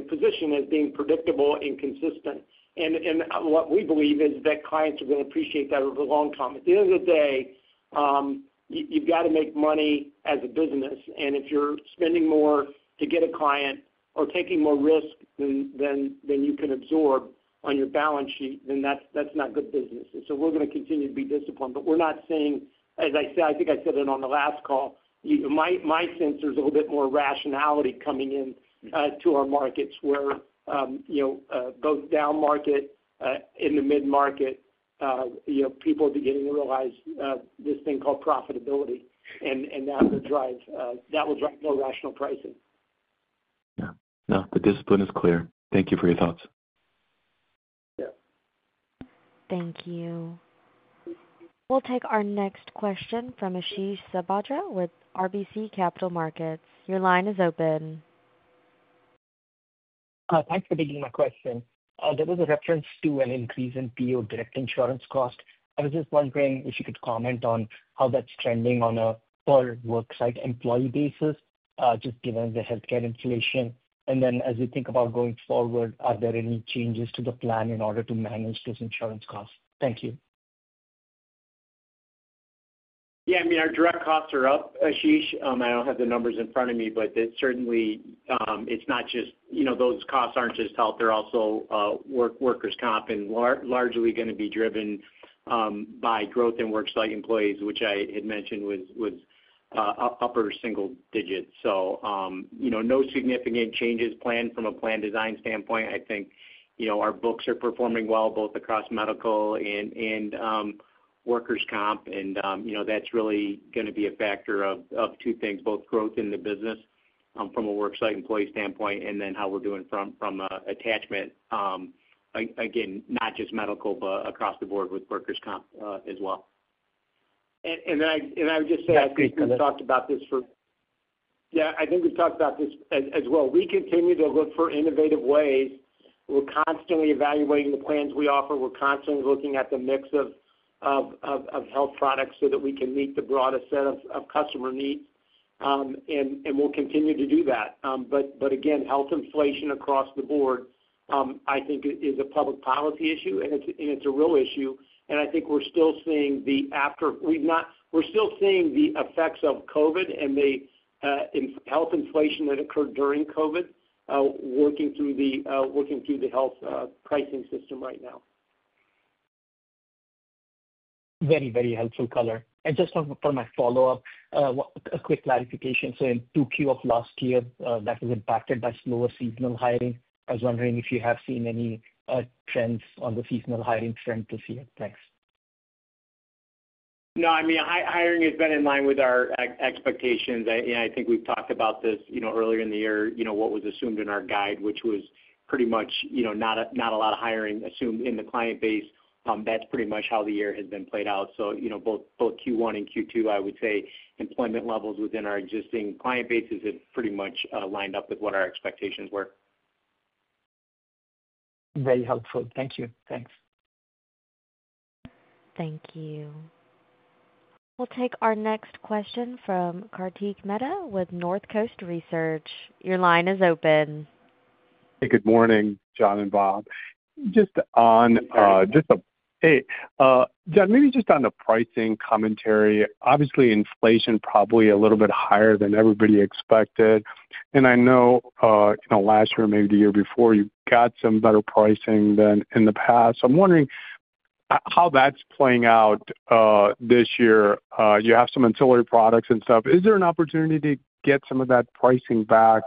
position as being predictable and consistent. And what we believe is that clients are going to appreciate that over the long term. At the end of the day, you've got to make money as a business. And if you're spending more to get a client or taking more risk than you can absorb on your balance sheet, then that's not good business. And so we're going to continue to be disciplined. But we're not seeing, as I said. I think I said it on the last call. My sense is a little bit more rationality coming into our markets where both down market, in the mid-market, people are beginning to realize this thing called profitability, and that will drive more rational pricing. Yeah. No, the discipline is clear. Thank you for your thoughts. Yeah. Thank you. We'll take our next question from Ashish Sabadra with RBC Capital Markets. Your line is open. Thanks for taking my question. There was a reference to an increase in PEO direct insurance cost. I was just wondering if you could comment on how that's trending on a per worksite employee basis, just given the healthcare inflation. And then as we think about going forward, are there any changes to the plan in order to manage those insurance costs? Thank you. Yeah. I mean, our direct costs are up, Ashish. I don't have the numbers in front of me, but certainly, it's not just those costs aren't just health. They're also workers' comp and largely going to be driven by growth in worksite employees, which I had mentioned was upper single digits. So no significant changes planned from a plan design standpoint. I think our books are performing well both across medical and workers' comp. And that's really going to be a factor of two things, both growth in the business from a worksite employee standpoint and then how we're doing from attachment. Again, not just medical, but across the board with workers' comp as well. I would just say, I think we've talked about this for. Yeah. I think we've talked about this as well. We continue to look for innovative ways. We're constantly evaluating the plans we offer. We're constantly looking at the mix of health products so that we can meet the broadest set of customer needs. And we'll continue to do that. But again, health inflation across the board, I think, is a public policy issue, and it's a real issue. And I think we're still seeing the effects of COVID and the health inflation that occurred during COVID working through the health pricing system right now. Very, very helpful, color. And just for my follow-up, a quick clarification. So in Q2 of last year, that was impacted by slower seasonal hiring. I was wondering if you have seen any trends on the seasonal hiring trend this year? Thanks. No. I mean, hiring has been in line with our expectations. I think we've talked about this earlier in the year, what was assumed in our guide, which was pretty much not a lot of hiring assumed in the client base. That's pretty much how the year has been played out. So both Q1 and Q2, I would say, employment levels within our existing client bases have pretty much lined up with what our expectations were. Very helpful. Thank you. Thanks. Thank you. We'll take our next question from Kartik Mehta with Northcoast Research. Your line is open. Hey, good morning, John and Bob. Hey, John, maybe just on the pricing commentary. Obviously, inflation probably a little bit higher than everybody expected. And I know last year, maybe the year before, you got some better pricing than in the past. So I'm wondering how that's playing out this year. You have some ancillary products and stuff. Is there an opportunity to get some of that pricing back,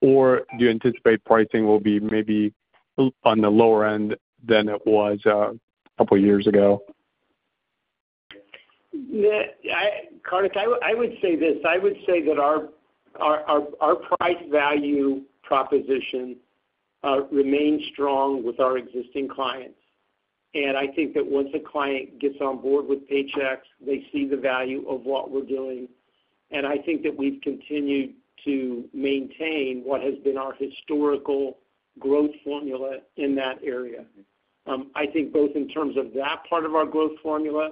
or do you anticipate pricing will be maybe on the lower end than it was a couple of years ago? Kartik, I would say this. I would say that our price value proposition remains strong with our existing clients. And I think that once a client gets on board with Paychex, they see the value of what we're doing. And I think that we've continued to maintain what has been our historical growth formula in that area. I think both in terms of that part of our growth formula,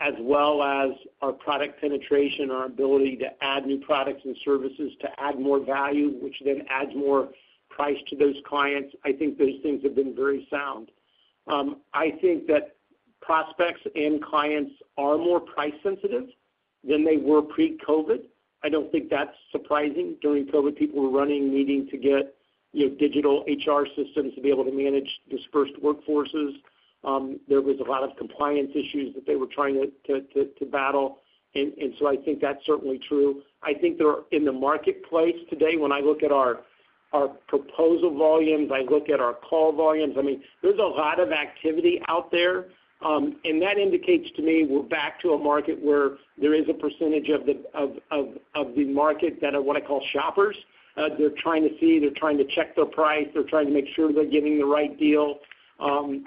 as well as our product penetration, our ability to add new products and services to add more value, which then adds more price to those clients, I think those things have been very sound. I think that prospects and clients are more price-sensitive than they were pre-COVID. I don't think that's surprising. During COVID, people were running, needing to get digital HR systems to be able to manage dispersed workforces. There was a lot of compliance issues that they were trying to battle. And so I think that's certainly true. I think that in the marketplace today, when I look at our proposal volumes, I look at our call volumes, I mean, there's a lot of activity out there. And that indicates to me we're back to a market where there is a percentage of the market that are what I call shoppers. They're trying to see. They're trying to check their price. They're trying to make sure they're getting the right deal. But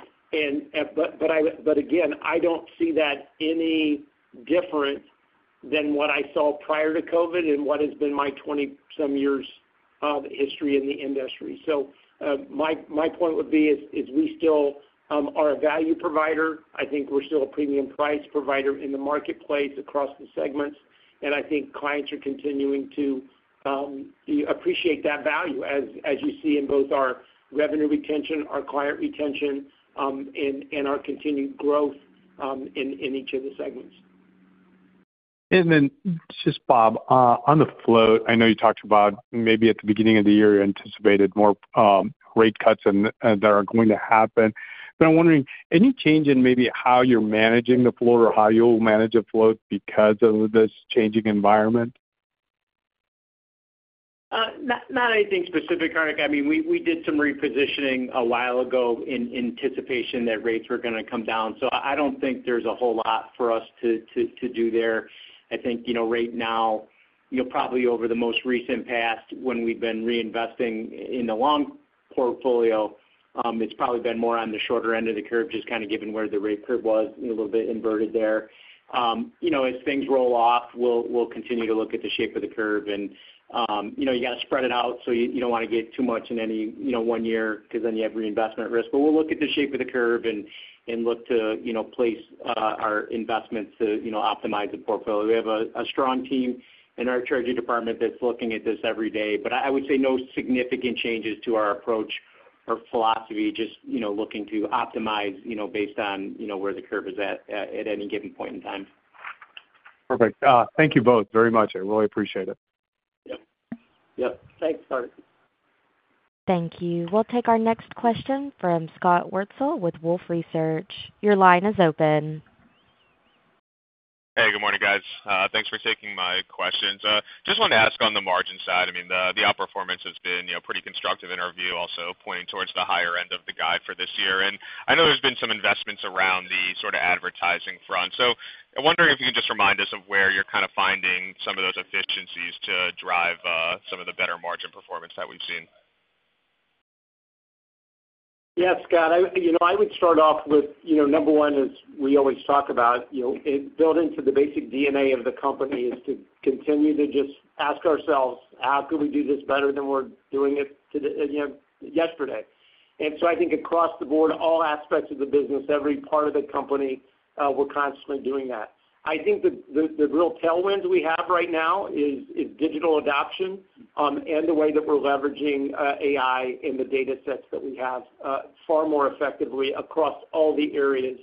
again, I don't see that any different than what I saw prior to COVID and what has been my 20-some years of history in the industry. So my point would be is we still are a value provider. I think we're still a premium price provider in the marketplace across the segments. I think clients are continuing to appreciate that value, as you see in both our revenue retention, our client retention, and our continued growth in each of the segments. And then just, Bob, on the float, I know you talked about maybe at the beginning of the year, you anticipated more rate cuts that are going to happen. But I'm wondering, any change in maybe how you're managing the float or how you'll manage the float because of this changing environment? Not anything specific, Kartik. I mean, we did some repositioning a while ago in anticipation that rates were going to come down, so I don't think there's a whole lot for us to do there. I think right now, probably over the most recent past, when we've been reinvesting in the long portfolio, it's probably been more on the shorter end of the curve, just kind of given where the rate curve was, a little bit inverted there. As things roll off, we'll continue to look at the shape of the curve, and you got to spread it out, so you don't want to get too much in any one year because then you have reinvestment risk, but we'll look at the shape of the curve and look to place our investments to optimize the portfolio. We have a strong team in our treasury department that's looking at this every day, but I would say no significant changes to our approach or philosophy, just looking to optimize based on where the curve is at any given point in time. Perfect. Thank you both very much. I really appreciate it. Yep. Yep. Thanks, Kartik. Thank you. We'll take our next question from Scott Wurtzel with Wolfe Research. Your line is open. Hey, good morning, guys. Thanks for taking my questions. Just wanted to ask on the margin side. I mean, the outperformance has been a pretty constructive environment, also pointing towards the higher end of the guide for this year. And I know there's been some investments around the sort of advertising front. So I'm wondering if you can just remind us of where you're kind of finding some of those efficiencies to drive some of the better margin performance that we've seen. Yeah, Scott, I would start off with number one is we always talk about it built into the basic DNA of the company is to continue to just ask ourselves, how could we do this better than we're doing it yesterday? And so I think across the board, all aspects of the business, every part of the company, we're constantly doing that. I think the real tailwind we have right now is digital adoption and the way that we're leveraging AI in the datasets that we have far more effectively across all the areas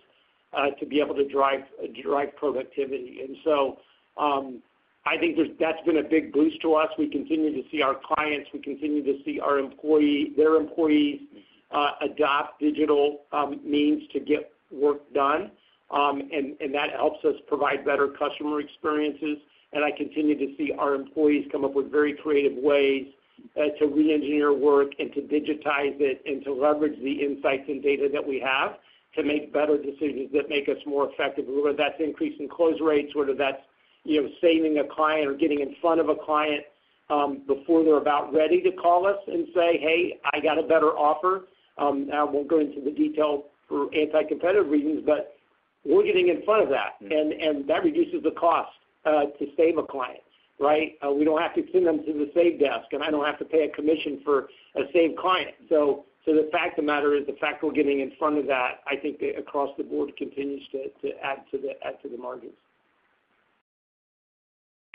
to be able to drive productivity. And so I think that's been a big boost to us. We continue to see our clients. We continue to see their employees adopt digital means to get work done. And that helps us provide better customer experiences. And I continue to see our employees come up with very creative ways to re-engineer work and to digitize it and to leverage the insights and data that we have to make better decisions that make us more effective. Whether that's increasing close rates, whether that's saving a client or getting in front of a client before they're about ready to call us and say, "Hey, I got a better offer." Now, we'll go into the detail for anti-competitive reasons, but we're getting in front of that. And that reduces the cost to save a client, right? We don't have to send them to the save desk, and I don't have to pay a commission for a saved client. So the fact of the matter is the fact that we're getting in front of that, I think across the board continues to add to the margins.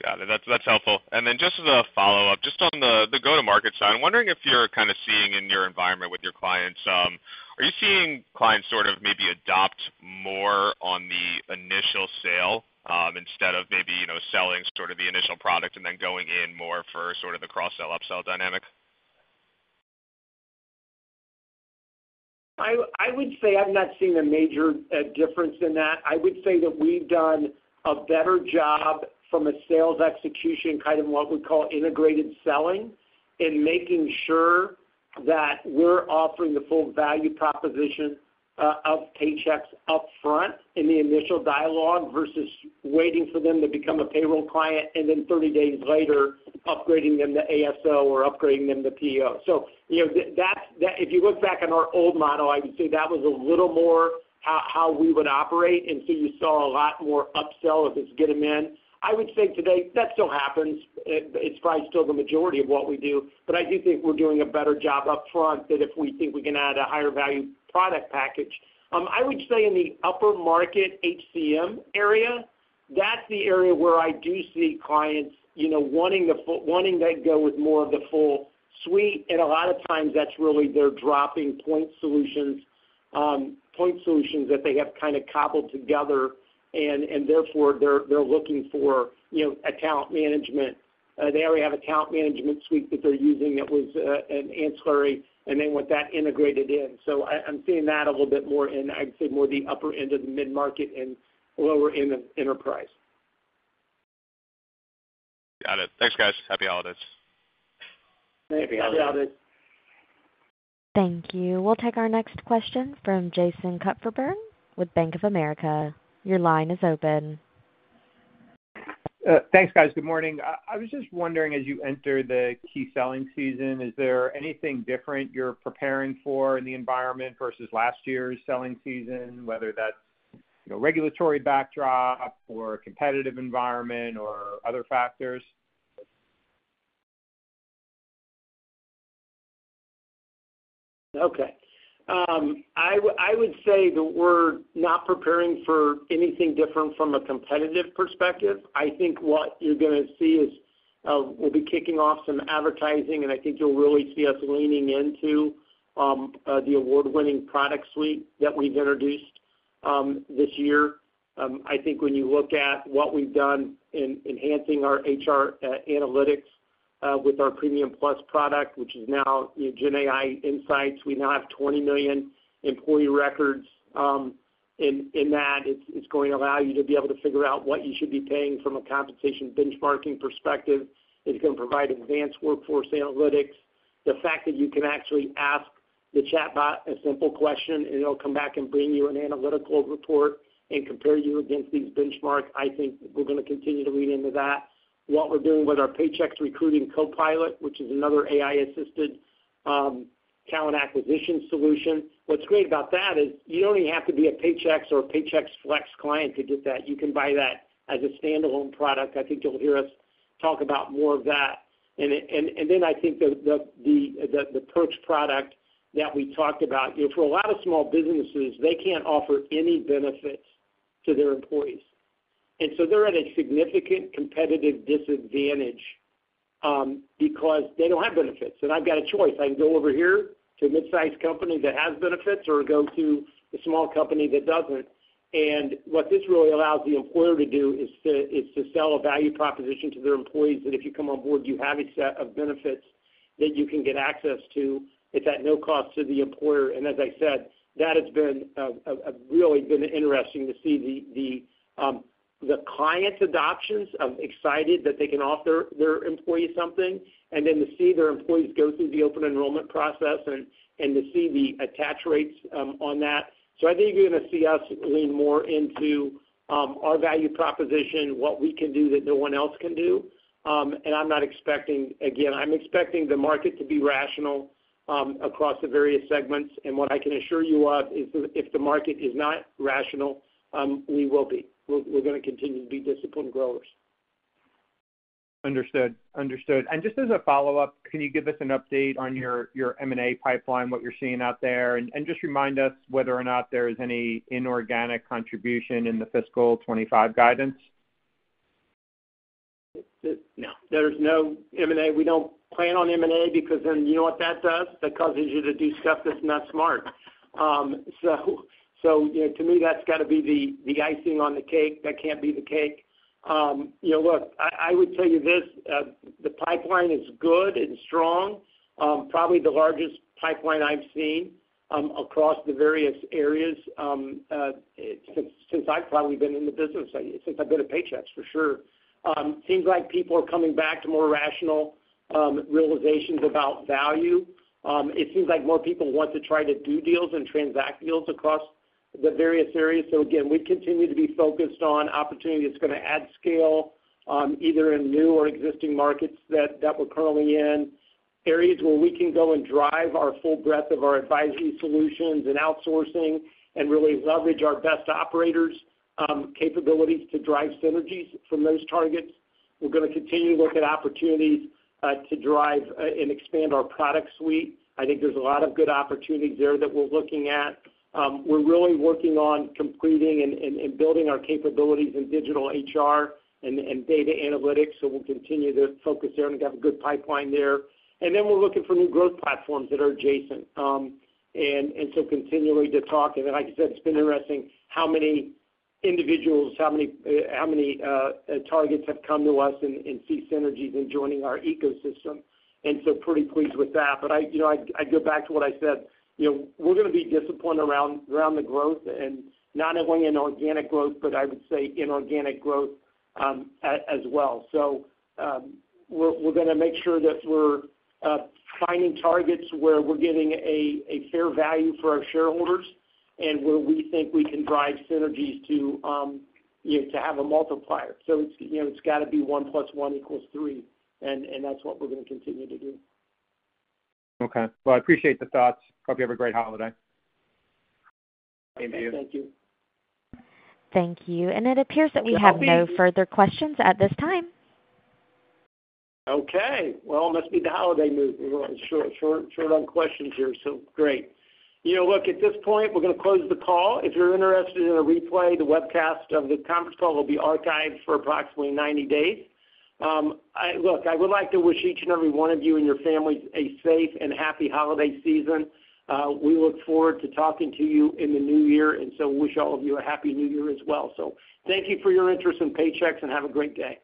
Got it. That's helpful, and then just as a follow-up, just on the go-to-market side, I'm wondering if you're kind of seeing in your environment with your clients, are you seeing clients sort of maybe adopt more on the initial sale instead of maybe selling sort of the initial product and then going in more for sort of the cross-sell-upsell dynamic? I would say I've not seen a major difference in that. I would say that we've done a better job from a sales execution, kind of what we call integrated selling, in making sure that we're offering the full value proposition of Paychex upfront in the initial dialogue versus waiting for them to become a payroll client and then 30 days later upgrading them to ASO or upgrading them to PEO. So if you look back on our old model, I would say that was a little more how we would operate. And so you saw a lot more upsell activity. I would say today, that still happens. It's probably still the majority of what we do. But I do think we're doing a better job upfront in that if we think we can add a higher value product package. I would say in the upper market HCM area, that's the area where I do see clients wanting to go with more of the full suite, and a lot of times, that's really their dropping point solutions that they have kind of cobbled together, and therefore, they're looking for account management. They already have an account management suite that they're using that was an ancillary, and they want that integrated in. So I'm seeing that a little bit more in, I'd say, more the upper end of the mid-market and lower end of enterprise. Got it. Thanks, guys. Happy holidays. Thank you. Happy holidays. Thank you. We'll take our next question from Jason Kupferberg with Bank of America. Your line is open. Thanks, guys. Good morning. I was just wondering, as you enter the key selling season, is there anything different you're preparing for in the environment versus last year's selling season, whether that's regulatory backdrop or a competitive environment or other factors? Okay. I would say that we're not preparing for anything different from a competitive perspective. I think what you're going to see is we'll be kicking off some advertising, and I think you'll really see us leaning into the award-winning product suite that we've introduced this year. I think when you look at what we've done in enhancing our HR analytics with our Premium Plus product, which is now GenAI Insights, we now have 20 million employee records in that. It's going to allow you to be able to figure out what you should be paying from a compensation benchmarking perspective. It's going to provide advanced workforce analytics. The fact that you can actually ask the chatbot a simple question, and it'll come back and bring you an analytical report and compare you against these benchmarks, I think we're going to continue to lean into that. What we're doing with our Paychex Recruiting Copilot, which is another AI-assisted talent acquisition solution. What's great about that is you don't even have to be a Paychex or a Paychex Flex client to get that. You can buy that as a standalone product. I think you'll hear us talk about more of that. And then I think the Perks product that we talked about, for a lot of small businesses, they can't offer any benefits to their employees. And so they're at a significant competitive disadvantage because they don't have benefits. And I've got a choice. I can go over here to a mid-sized company that has benefits or go to a small company that doesn't. And what this really allows the employer to do is to sell a value proposition to their employees that if you come on board, you have a set of benefits that you can get access to. It's at no cost to the employer. And as I said, that has really been interesting to see the clients' adoption so excited that they can offer their employees something, and then to see their employees go through the open enrollment process and to see the attach rates on that. So I think you're going to see us lean more into our value proposition, what we can do that no one else can do. And I'm not expecting again, I'm expecting the market to be rational across the various segments. And what I can assure you of is if the market is not rational, we will be. We're going to continue to be disciplined growers. Understood. Understood. And just as a follow-up, can you give us an update on your M&A pipeline, what you're seeing out there, and just remind us whether or not there is any inorganic contribution in the fiscal '25 guidance? No. There's no M&A. We don't plan on M&A because then you know what that does? That causes you to do stuff that's not smart. So to me, that's got to be the icing on the cake. That can't be the cake. Look, I would tell you this. The pipeline is good and strong. Probably the largest pipeline I've seen across the various areas since I've probably been in the business, since I've been at Paychex, for sure. Seems like people are coming back to more rational realizations about value. It seems like more people want to try to do deals and transact deals across the various areas. So again, we continue to be focused on opportunity that's going to add scale either in new or existing markets that we're currently in, areas where we can go and drive our full breadth of our advisory solutions and outsourcing and really leverage our best operators' capabilities to drive synergies from those targets. We're going to continue to look at opportunities to drive and expand our product suite. I think there's a lot of good opportunities there that we're looking at. We're really working on completing and building our capabilities in digital HR and data analytics. So we'll continue to focus there and have a good pipeline there. And then we're looking for new growth platforms that are adjacent. And so continually to talk. And then like I said, it's been interesting how many individuals, how many targets have come to us and see synergies in joining our ecosystem. And so, pretty pleased with that. But I go back to what I said. We're going to be disciplined around the growth and not only in organic growth, but I would say inorganic growth as well. So we're going to make sure that we're finding targets where we're getting a fair value for our shareholders and where we think we can drive synergies to have a multiplier. So it's got to be one plus one equals three. And that's what we're going to continue to do. Okay. Well, I appreciate the thoughts. Hope you have a great holiday. Thank you. Thank you. Thank you, and it appears that we have no further questions at this time. Okay. Well, it must be the holiday move. We're short on questions here. So great. Look, at this point, we're going to close the call. If you're interested in a replay, the webcast of the conference call will be archived for approximately 90 days. Look, I would like to wish each and every one of you and your families a safe and happy holiday season. We look forward to talking to you in the new year. And so we wish all of you a happy new year as well. So thank you for your interest in Paychex and have a great day.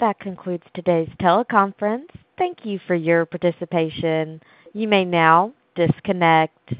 That concludes today's teleconference. Thank you for your participation. You may now disconnect.